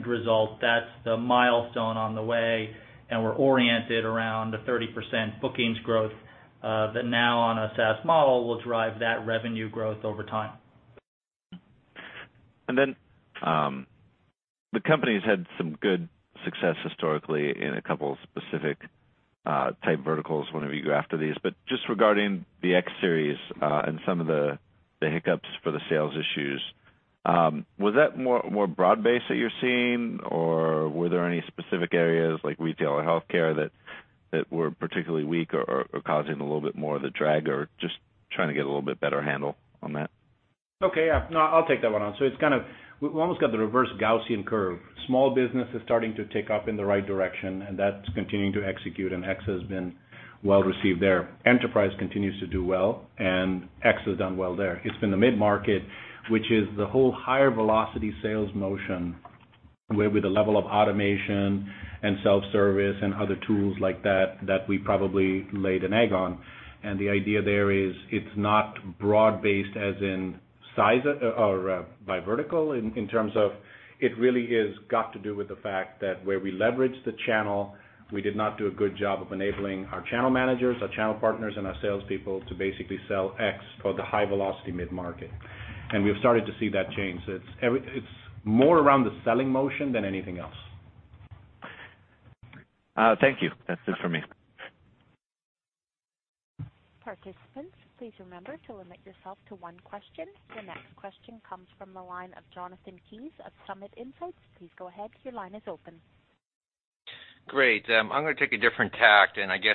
result. That's the milestone on the way, and we're oriented around a 30% bookings growth that now on a SaaS model will drive that revenue growth over time. The company's had some good success historically in a couple specific type verticals whenever you go after these. Just regarding the X Series, and some of the hiccups for the sales issues, was that more broad-based that you're seeing, or were there any specific areas like retail or healthcare that were particularly weak or causing a little bit more of the drag, or just trying to get a little bit better handle on that? Okay. Yeah. No, I'll take that one on. We've almost got the reverse Gaussian curve. Small business is starting to tick up in the right direction, and that's continuing to execute, and X has been well-received there. Enterprise continues to do well, and X has done well there. It's been the mid-market, which is the whole higher velocity sales motion where with a level of automation and self-service and other tools like that we probably laid an egg on. The idea there is it's not broad-based as in size or by vertical in terms of it really has got to do with the fact that where we leveraged the channel, we did not do a good job of enabling our channel managers, our channel partners, and our salespeople to basically sell X for the high-velocity mid-market. We've started to see that change. It's more around the selling motion than anything else. Thank you. That is it for me. Participants, please remember to limit yourself to one question. The next question comes from the line of Jonathan Kees of Summit Insights. Please go ahead, your line is open. Great. I am going to take a different tact and I guess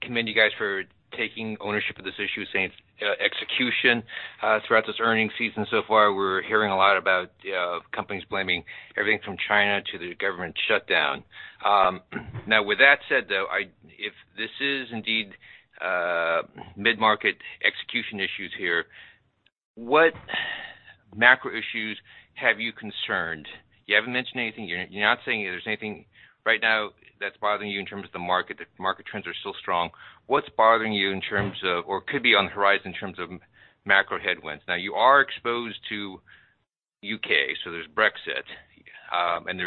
commend you guys for taking ownership of this issue, saying it is execution. Throughout this earning season so far, we are hearing a lot about companies blaming everything from China to the government shutdown. With that said, though, if this is indeed mid-market execution issues here, what macro issues have you concerned? You haven't mentioned anything. You are not saying there is anything right now that is bothering you in terms of the market. The market trends are still strong. What is bothering you in terms of, or could be on the horizon in terms of macro headwinds? You are exposed to U.K., so there is Brexit, and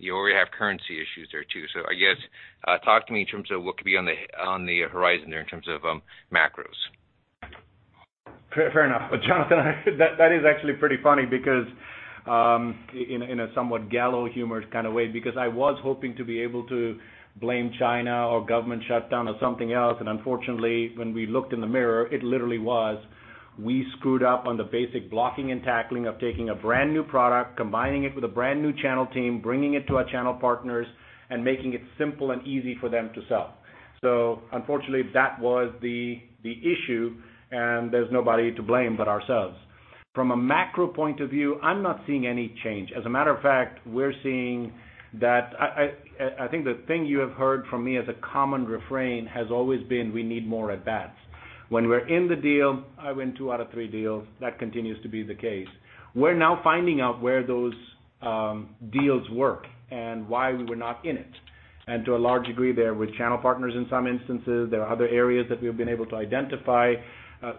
you already have currency issues there too. I guess, talk to me in terms of what could be on the horizon there in terms of macros. Fair enough. Jonathan, that is actually pretty funny because in a somewhat gallows humor kind of way, because I was hoping to be able to blame China or government shutdown or something else, and unfortunately, when we looked in the mirror, it literally was, we screwed up on the basic blocking and tackling of taking a brand-new product, combining it with a brand-new channel team, bringing it to our channel partners, and making it simple and easy for them to sell. Unfortunately, that was the issue, and there is nobody to blame but ourselves. From a macro point of view, I am not seeing any change. A matter of fact, I think the thing you have heard from me as a common refrain has always been, we need more at-bats. When we are in the deal, I win two out of three deals. That continues to be the case. We're now finding out where those deals work and why we were not in it. To a large degree there with channel partners in some instances, there are other areas that we've been able to identify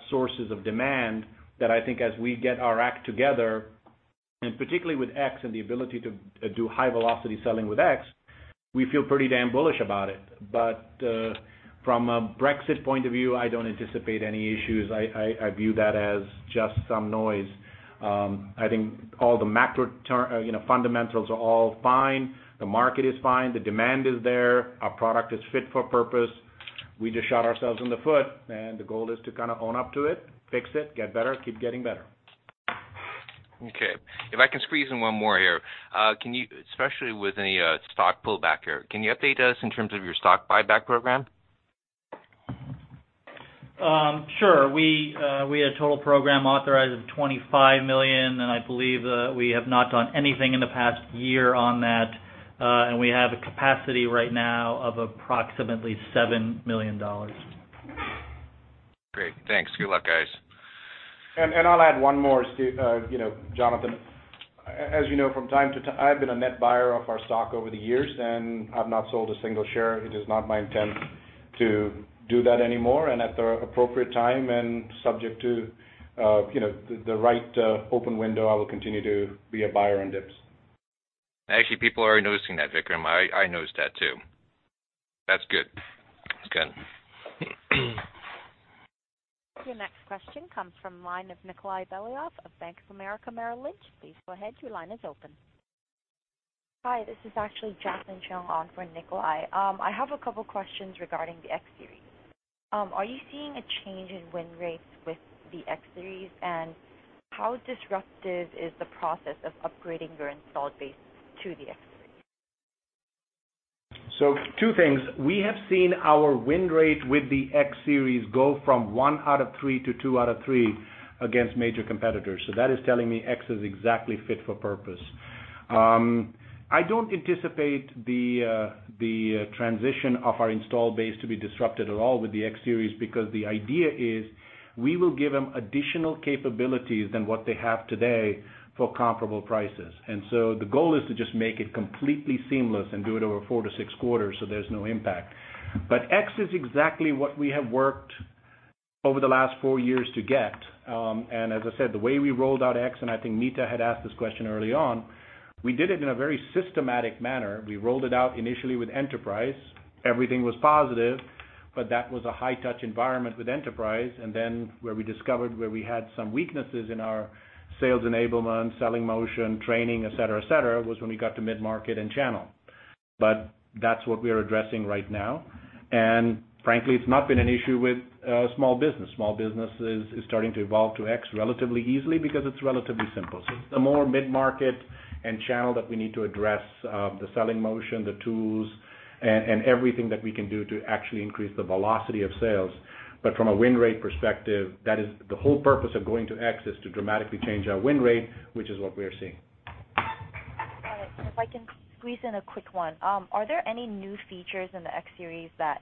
sources of demand that I think as we get our act together, and particularly with X and the ability to do high-velocity selling with X, we feel pretty damn bullish about it. From a Brexit point of view, I don't anticipate any issues. I view that as just some noise. I think all the macro fundamentals are all fine. The market is fine. The demand is there. Our product is fit for purpose. We just shot ourselves in the foot, and the goal is to own up to it, fix it, get better, keep getting better. Okay. If I can squeeze in one more here. Especially with any stock pullback here, can you update us in terms of your stock buyback program? Sure. We had a total program authorized of $25 million, I believe we have not done anything in the past year on that. We have a capacity right now of approximately $7 million. Great. Thanks. Good luck, guys. I'll add one more, Jonathan. As you know, from time to time, I've been a net buyer of our stock over the years, and I've not sold a single share. It is not my intent to do that anymore, and at the appropriate time and subject to the right open window, I will continue to be a buyer in dips. Actually, people are already noticing that, Vik. I noticed that too. That's good. Your next question comes from the line of Nikolay Beliov of Bank of America Merrill Lynch. Please go ahead. Your line is open. Hi, this is actually Jasmine Cheung on for Nikolay. I have a couple questions regarding the X Series. Are you seeing a change in win rates with the X Series? How disruptive is the process of upgrading your installed base to the X Series? Two things. We have seen our win rate with the X Series go from one out of three to two out of three against major competitors. That is telling me X is exactly fit for purpose. I don't anticipate the transition of our installed base to be disrupted at all with the X Series, because the idea is we will give them additional capabilities than what they have today for comparable prices. The goal is to just make it completely seamless and do it over four to six quarters so there's no impact. X is exactly what we have worked over the last four years to get. As I said, the way we rolled out X, and I think Meta had asked this question early on, we did it in a very systematic manner. We rolled it out initially with Enterprise. Everything was positive, but that was a high-touch environment with Enterprise. Where we discovered where we had some weaknesses in our sales enablement, selling motion, training, et cetera, was when we got to mid-market and channel. That's what we are addressing right now. Frankly, it's not been an issue with small business. Small business is starting to evolve to X relatively easily because it's relatively simple. It's the more mid-market and channel that we need to address, the selling motion, the tools, and everything that we can do to actually increase the velocity of sales. From a win rate perspective, that is the whole purpose of going to X is to dramatically change our win rate, which is what we are seeing. Got it. If I can squeeze in a quick one. Are there any new features in the X Series that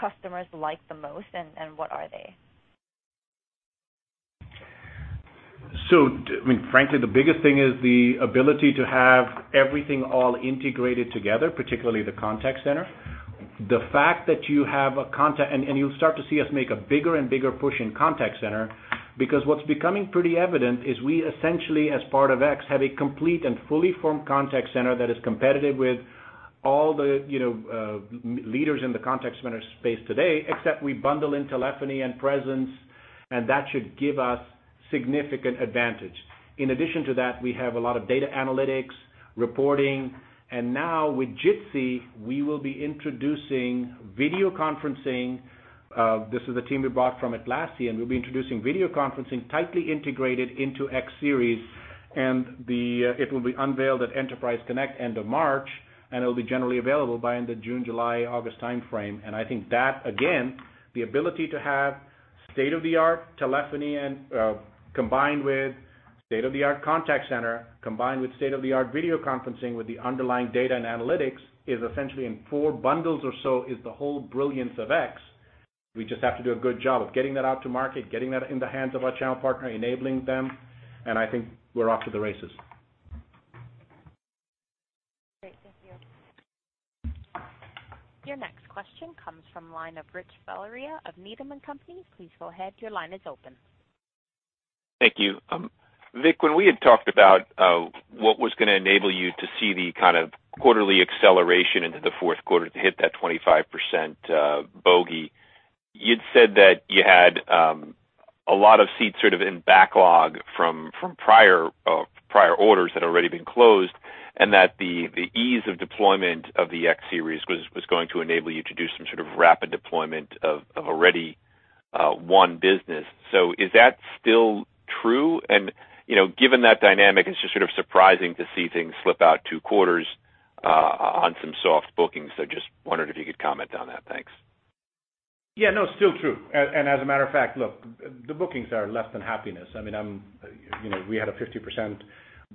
customers like the most, and what are they? Frankly, the biggest thing is the ability to have everything all integrated together, particularly the contact center. You'll start to see us make a bigger and bigger push in contact center, because what's becoming pretty evident is we essentially, as part of X, have a complete and fully formed contact center that is competitive with all the leaders in the contact center space today, except we bundle in telephony and presence, and that should give us significant advantage. In addition to that, we have a lot of data analytics, reporting, and now with Jitsi, we will be introducing video conferencing. This is a team we bought from Atlassian. We'll be introducing video conferencing tightly integrated into X Series, and it will be unveiled at Enterprise Connect end of March, and it'll be generally available by end of June, July, August timeframe. I think that, again, the ability to have state-of-the-art telephony combined with state-of-the-art contact center, combined with state-of-the-art video conferencing with the underlying data and analytics is essentially in four bundles or so is the whole brilliance of X. We just have to do a good job of getting that out to market, getting that in the hands of our channel partner, enabling them, I think we're off to the races. Great. Thank you. Your next question comes from the line of Rich Valera of Needham & Company. Please go ahead. Your line is open. Thank you. Vik, when we had talked about what was going to enable you to see the kind of quarterly acceleration into the fourth quarter to hit that 25% bogey, you'd said that you had a lot of seats sort of in backlog from prior orders that had already been closed, that the ease of deployment of the X Series was going to enable you to do some sort of rapid deployment of already won business. Is that still true? Given that dynamic, it's just sort of surprising to see things slip out two quarters on some soft bookings. Just wondered if you could comment on that. Thanks. Yeah, no, it's still true. As a matter of fact, look, the bookings are less than happiness. We had a 50%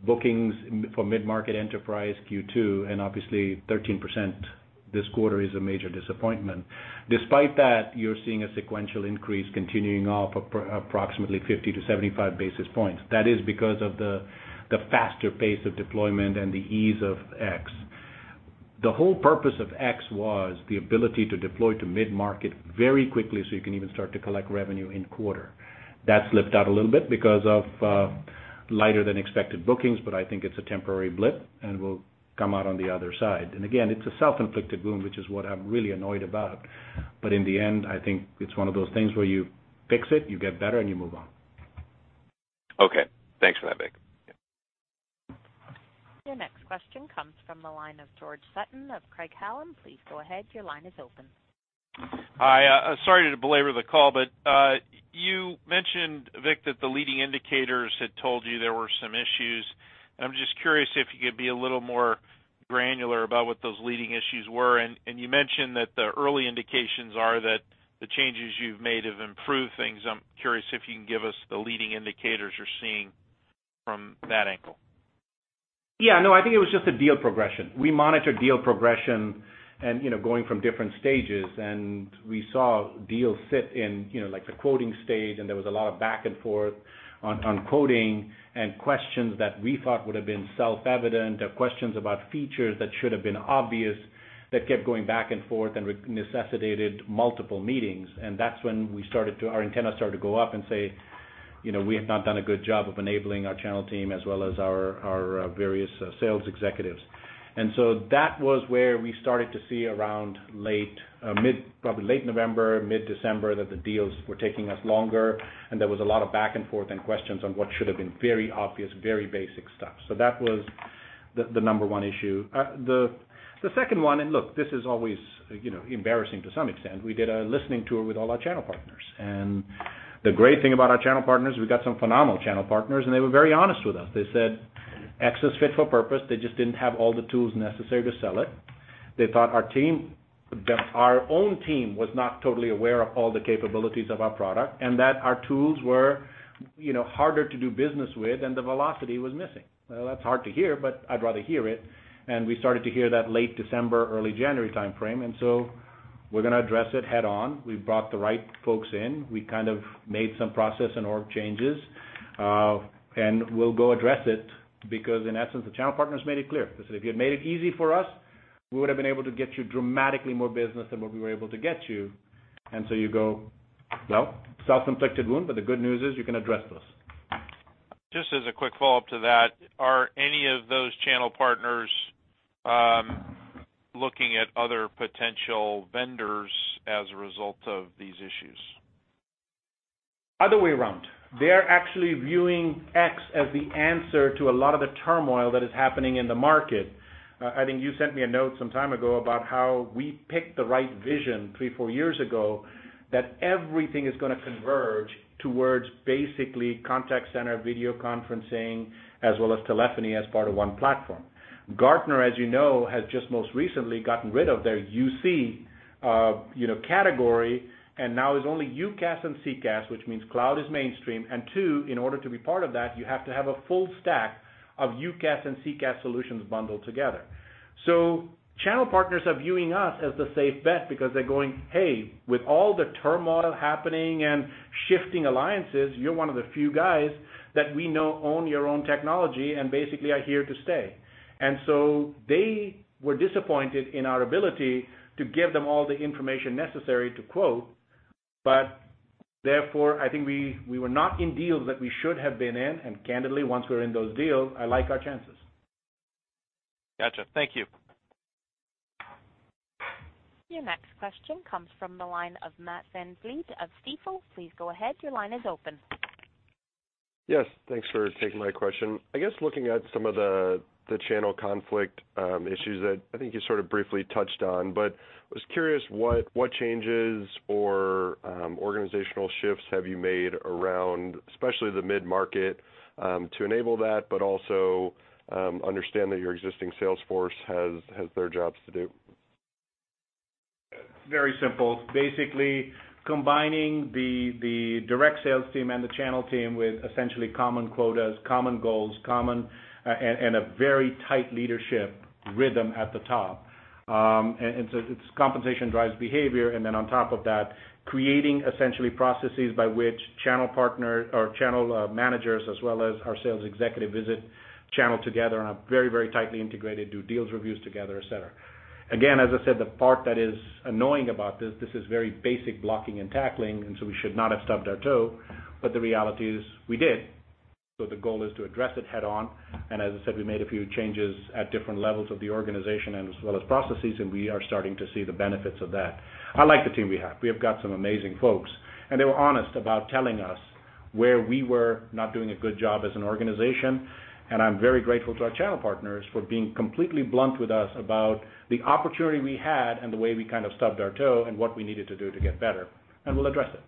bookings for mid-market Enterprise Q2, and obviously 13% this quarter is a major disappointment. Despite that, you're seeing a sequential increase continuing off approximately 50-75 basis points. That is because of the faster pace of deployment and the ease of X. The whole purpose of X was the ability to deploy to mid-market very quickly so you can even start to collect revenue in-quarter. That slipped out a little bit because of lighter than expected bookings, but I think it's a temporary blip and will come out on the other side. Again, it's a self-inflicted wound, which is what I'm really annoyed about. In the end, I think it's one of those things where you fix it, you get better, and you move on. Okay. Thanks for that, Vik. Your next question comes from the line of George Sutton of Craig-Hallum. Please go ahead. Your line is open. Hi. Sorry to belabor the call, you mentioned, Vik, that the leading indicators had told you there were some issues. I'm just curious if you could be a little more granular about what those leading issues were. You mentioned that the early indications are that the changes you've made have improved things. I'm curious if you can give us the leading indicators you're seeing from that angle. No, I think it was just the deal progression. We monitor deal progression and going from different stages. We saw deals sit in the quoting stage, and there was a lot of back and forth on quoting and questions that we thought would've been self-evident, or questions about features that should've been obvious that kept going back and forth and necessitated multiple meetings. That's when our antenna started to go up and say, "We have not done a good job of enabling our channel team as well as our various sales executives." That was where we started to see around probably late November, mid-December, that the deals were taking us longer, and there was a lot of back and forth and questions on what should've been very obvious, very basic stuff. That was the number one issue. The second one. Look, this is always embarrassing to some extent. We did a listening tour with all our channel partners. The great thing about our channel partners, we've got some phenomenal channel partners, and they were very honest with us. They said X is fit for purpose. They just didn't have all the tools necessary to sell it. They thought our own team was not totally aware of all the capabilities of our product and that our tools were harder to do business with and the velocity was missing. That's hard to hear, but I'd rather hear it, and we started to hear that late December, early January timeframe. We're going to address it head on. We've brought the right folks in. We kind of made some process and org changes. We'll go address it because in essence, the channel partners made it clear. They said, "If you had made it easy for us, we would've been able to get you dramatically more business than what we were able to get you." You go, self-inflicted wound, but the good news is you can address this. Just as a quick follow-up to that, are any of those channel partners looking at other potential vendors as a result of these issues? Other way around. They're actually viewing X as the answer to a lot of the turmoil that is happening in the market. I think you sent me a note some time ago about how we picked the right vision three, four years ago that everything is going to converge towards basically contact center video conferencing as well as telephony as part of one platform. Gartner, as you know, has just most recently gotten rid of their UC category and now is only UCaaS and CCaaS, which means cloud is mainstream, and two, in order to be part of that, you have to have a full stack of UCaaS and CCaaS solutions bundled together. Channel partners are viewing us as the safe bet because they're going, "Hey, with all the turmoil happening and shifting alliances, you're one of the few guys that we know own your own technology and basically are here to stay." They were disappointed in our ability to give them all the information necessary to quote, but therefore, I think we were not in deals that we should have been in, and candidly, once we're in those deals, I like our chances. Gotcha. Thank you. Your next question comes from the line of Matt VanVliet of Stifel. Please go ahead. Your line is open. Yes. Thanks for taking my question. I guess looking at some of the channel conflict issues that I think you sort of briefly touched on, but was curious what changes or organizational shifts have you made around, especially the mid-market, to enable that, but also understand that your existing sales force has their jobs to do? Very simple. Basically, combining the direct sales team and the channel team with essentially common quotas, common goals, and a very tight leadership rhythm at the top. It's compensation drives behavior, and then on top of that, creating essentially processes by which channel partners or channel managers as well as our sales executive visit channel together on a very tightly integrated do deals reviews together, et cetera. Again, as I said, the part that is annoying about this is very basic blocking and tackling. We should not have stubbed our toe, but the reality is we did. The goal is to address it head on, and as I said, we made a few changes at different levels of the organization and as well as processes. We are starting to see the benefits of that. I like the team we have. We have got some amazing folks, and they were honest about telling us where we were not doing a good job as an organization. I'm very grateful to our channel partners for being completely blunt with us about the opportunity we had and the way we kind of stubbed our toe and what we needed to do to get better. We'll address it.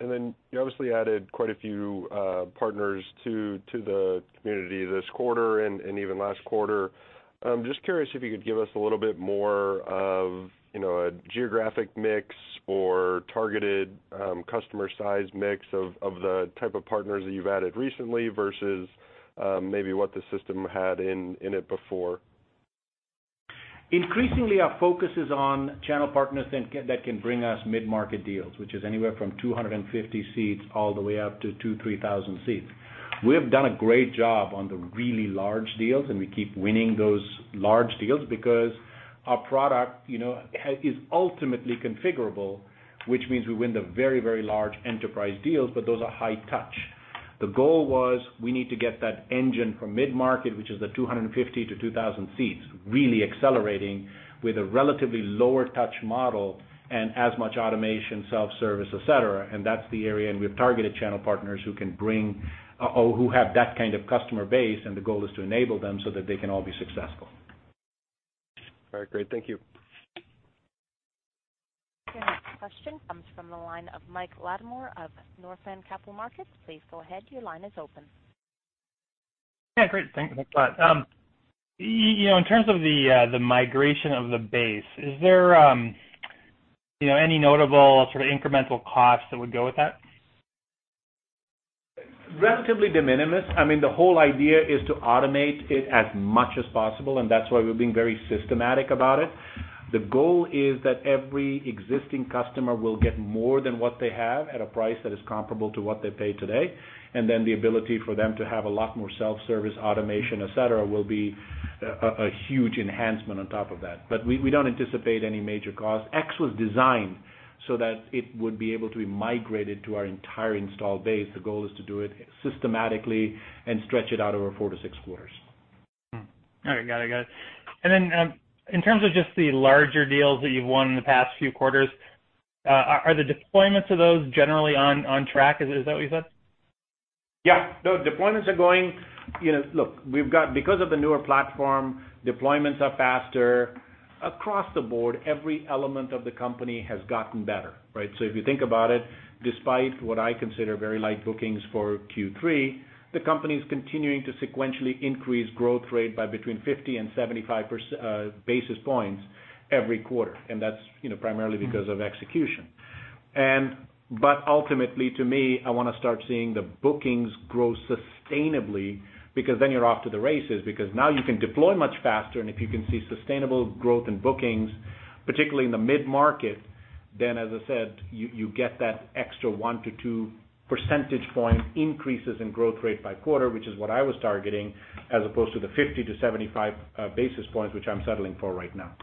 You obviously added quite a few partners to the community this quarter and even last quarter. Just curious if you could give us a little bit more of a geographic mix or targeted customer size mix of the type of partners that you've added recently versus maybe what the system had in it before. Increasingly, our focus is on channel partners that can bring us mid-market deals, which is anywhere from 250 seats all the way up to 2,000, 3,000 seats. We have done a great job on the really large deals, and we keep winning those large deals because our product is ultimately configurable, which means we win the very large enterprise deals, but those are high touch. The goal was we need to get that engine from mid-market, which is the 250-2,000 seats, really accelerating with a relatively lower touch model and as much automation, self-service, et cetera, and that's the area, and we've targeted channel partners who have that kind of customer base, and the goal is to enable them so that they can all be successful. All right, great. Thank you. Your next question comes from the line of Mike Latimore of Northland Capital Markets. Please go ahead, your line is open. Yeah, great. Thanks a lot. In terms of the migration of the base, is there any notable sort of incremental cost that would go with that? Relatively de minimis. The whole idea is to automate it as much as possible, that's why we're being very systematic about it. The goal is that every existing customer will get more than what they have at a price that is comparable to what they pay today, then the ability for them to have a lot more self-service automation, et cetera, will be a huge enhancement on top of that. We don't anticipate any major cost. X was designed so that it would be able to be migrated to our entire installed base. The goal is to do it systematically and stretch it out over four to six quarters. All right, got it. Then, in terms of just the larger deals that you've won in the past few quarters, are the deployments of those generally on track? Is that what you said? Yeah. No, deployments are faster. Look, because of the newer platform, deployments are faster. Across the board, every element of the company has gotten better. Right? If you think about it, despite what I consider very light bookings for Q3, the company's continuing to sequentially increase growth rate by between 50 and 75 basis points every quarter. That's primarily because of execution. Ultimately, to me, I want to start seeing the bookings grow sustainably, because then you're off to the races. Because now you can deploy much faster, and if you can see sustainable growth in bookings, particularly in the mid-market, then, as I said, you get that extra 1%-2% point increases in growth rate by quarter, which is what I was targeting, as opposed to the 50-75 basis points, which I'm settling for right now.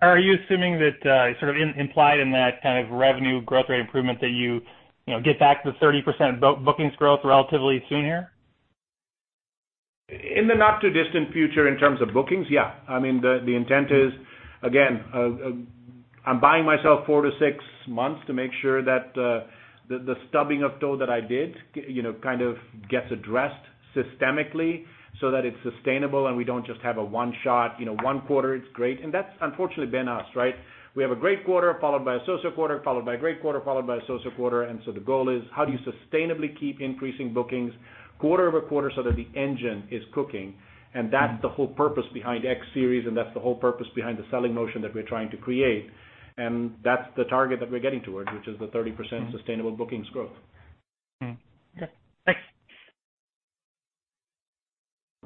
Are you assuming that, sort of implied in that kind of revenue growth rate improvement that you get back to the 30% bookings growth relatively soon here? In the not too distant future in terms of bookings, yeah. The intent is, again, I'm buying myself 4-6 months to make sure that the stubbing of toe that I did kind of gets addressed systemically so that it's sustainable and we don't just have a one-shot, one quarter, it's great. That's unfortunately been us, right? We have a great quarter followed by a so-so quarter, followed by a great quarter, followed by a so-so quarter. The goal is how do you sustainably keep increasing bookings quarter-over-quarter so that the engine is cooking. That's the whole purpose behind X Series, that's the whole purpose behind the selling motion that we're trying to create. That's the target that we're getting towards, which is the 30% sustainable bookings growth. Okay, thanks.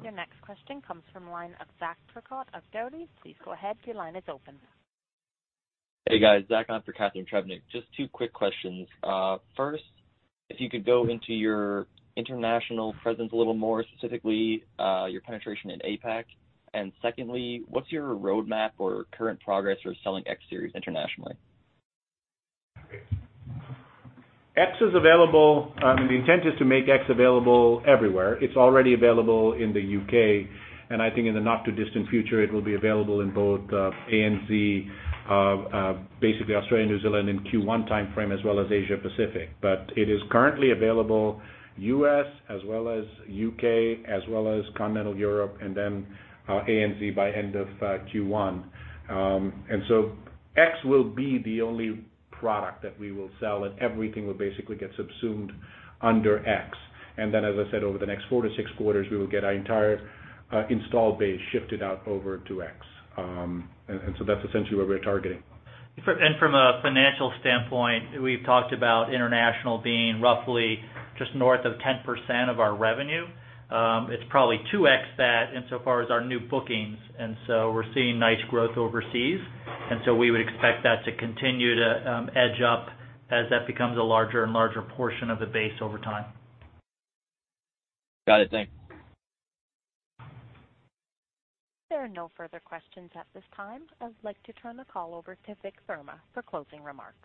Your next question comes from the line of Zach Percott of Dougherty & Company. Please go ahead, your line is open. Hey, guys. Zach on for Catharine Trebnick. Just two quick questions. First, if you could go into your international presence a little more, specifically your penetration in APAC. Secondly, what's your roadmap or current progress for selling X Series internationally? X is available, the intent is to make X available everywhere. It's already available in the U.K., and I think in the not too distant future, it will be available in both ANZ, basically Australia and New Zealand, in Q1 timeframe as well as Asia Pacific. It is currently available U.S. as well as U.K. as well as continental Europe, then ANZ by end of Q1. X will be the only product that we will sell, and everything will basically get subsumed under X. As I said, over the next four to six quarters, we will get our entire installed base shifted out over to X. That's essentially where we're targeting. From a financial standpoint, we've talked about international being roughly just north of 10% of our revenue. It's probably 2x that insofar as our new bookings, we're seeing nice growth overseas. We would expect that to continue to edge up as that becomes a larger and larger portion of the base over time. Got it. Thanks. There are no further questions at this time. I would like to turn the call over to Vikram Verma for closing remarks.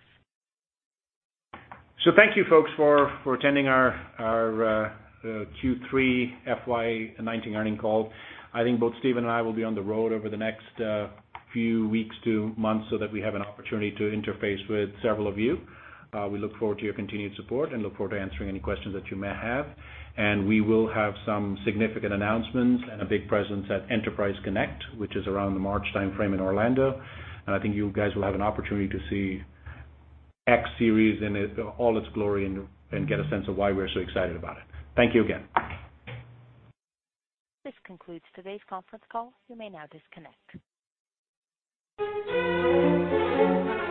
Thank you, folks, for attending our Q3 FY 2019 earnings call. I think both Steven and I will be on the road over the next few weeks to months so that we have an opportunity to interface with several of you. We look forward to your continued support and look forward to answering any questions that you may have. We will have some significant announcements and a big presence at Enterprise Connect, which is around the March timeframe in Orlando. I think you guys will have an opportunity to see X Series in all its glory and get a sense of why we're so excited about it. Thank you again. This concludes today's conference call. You may now disconnect.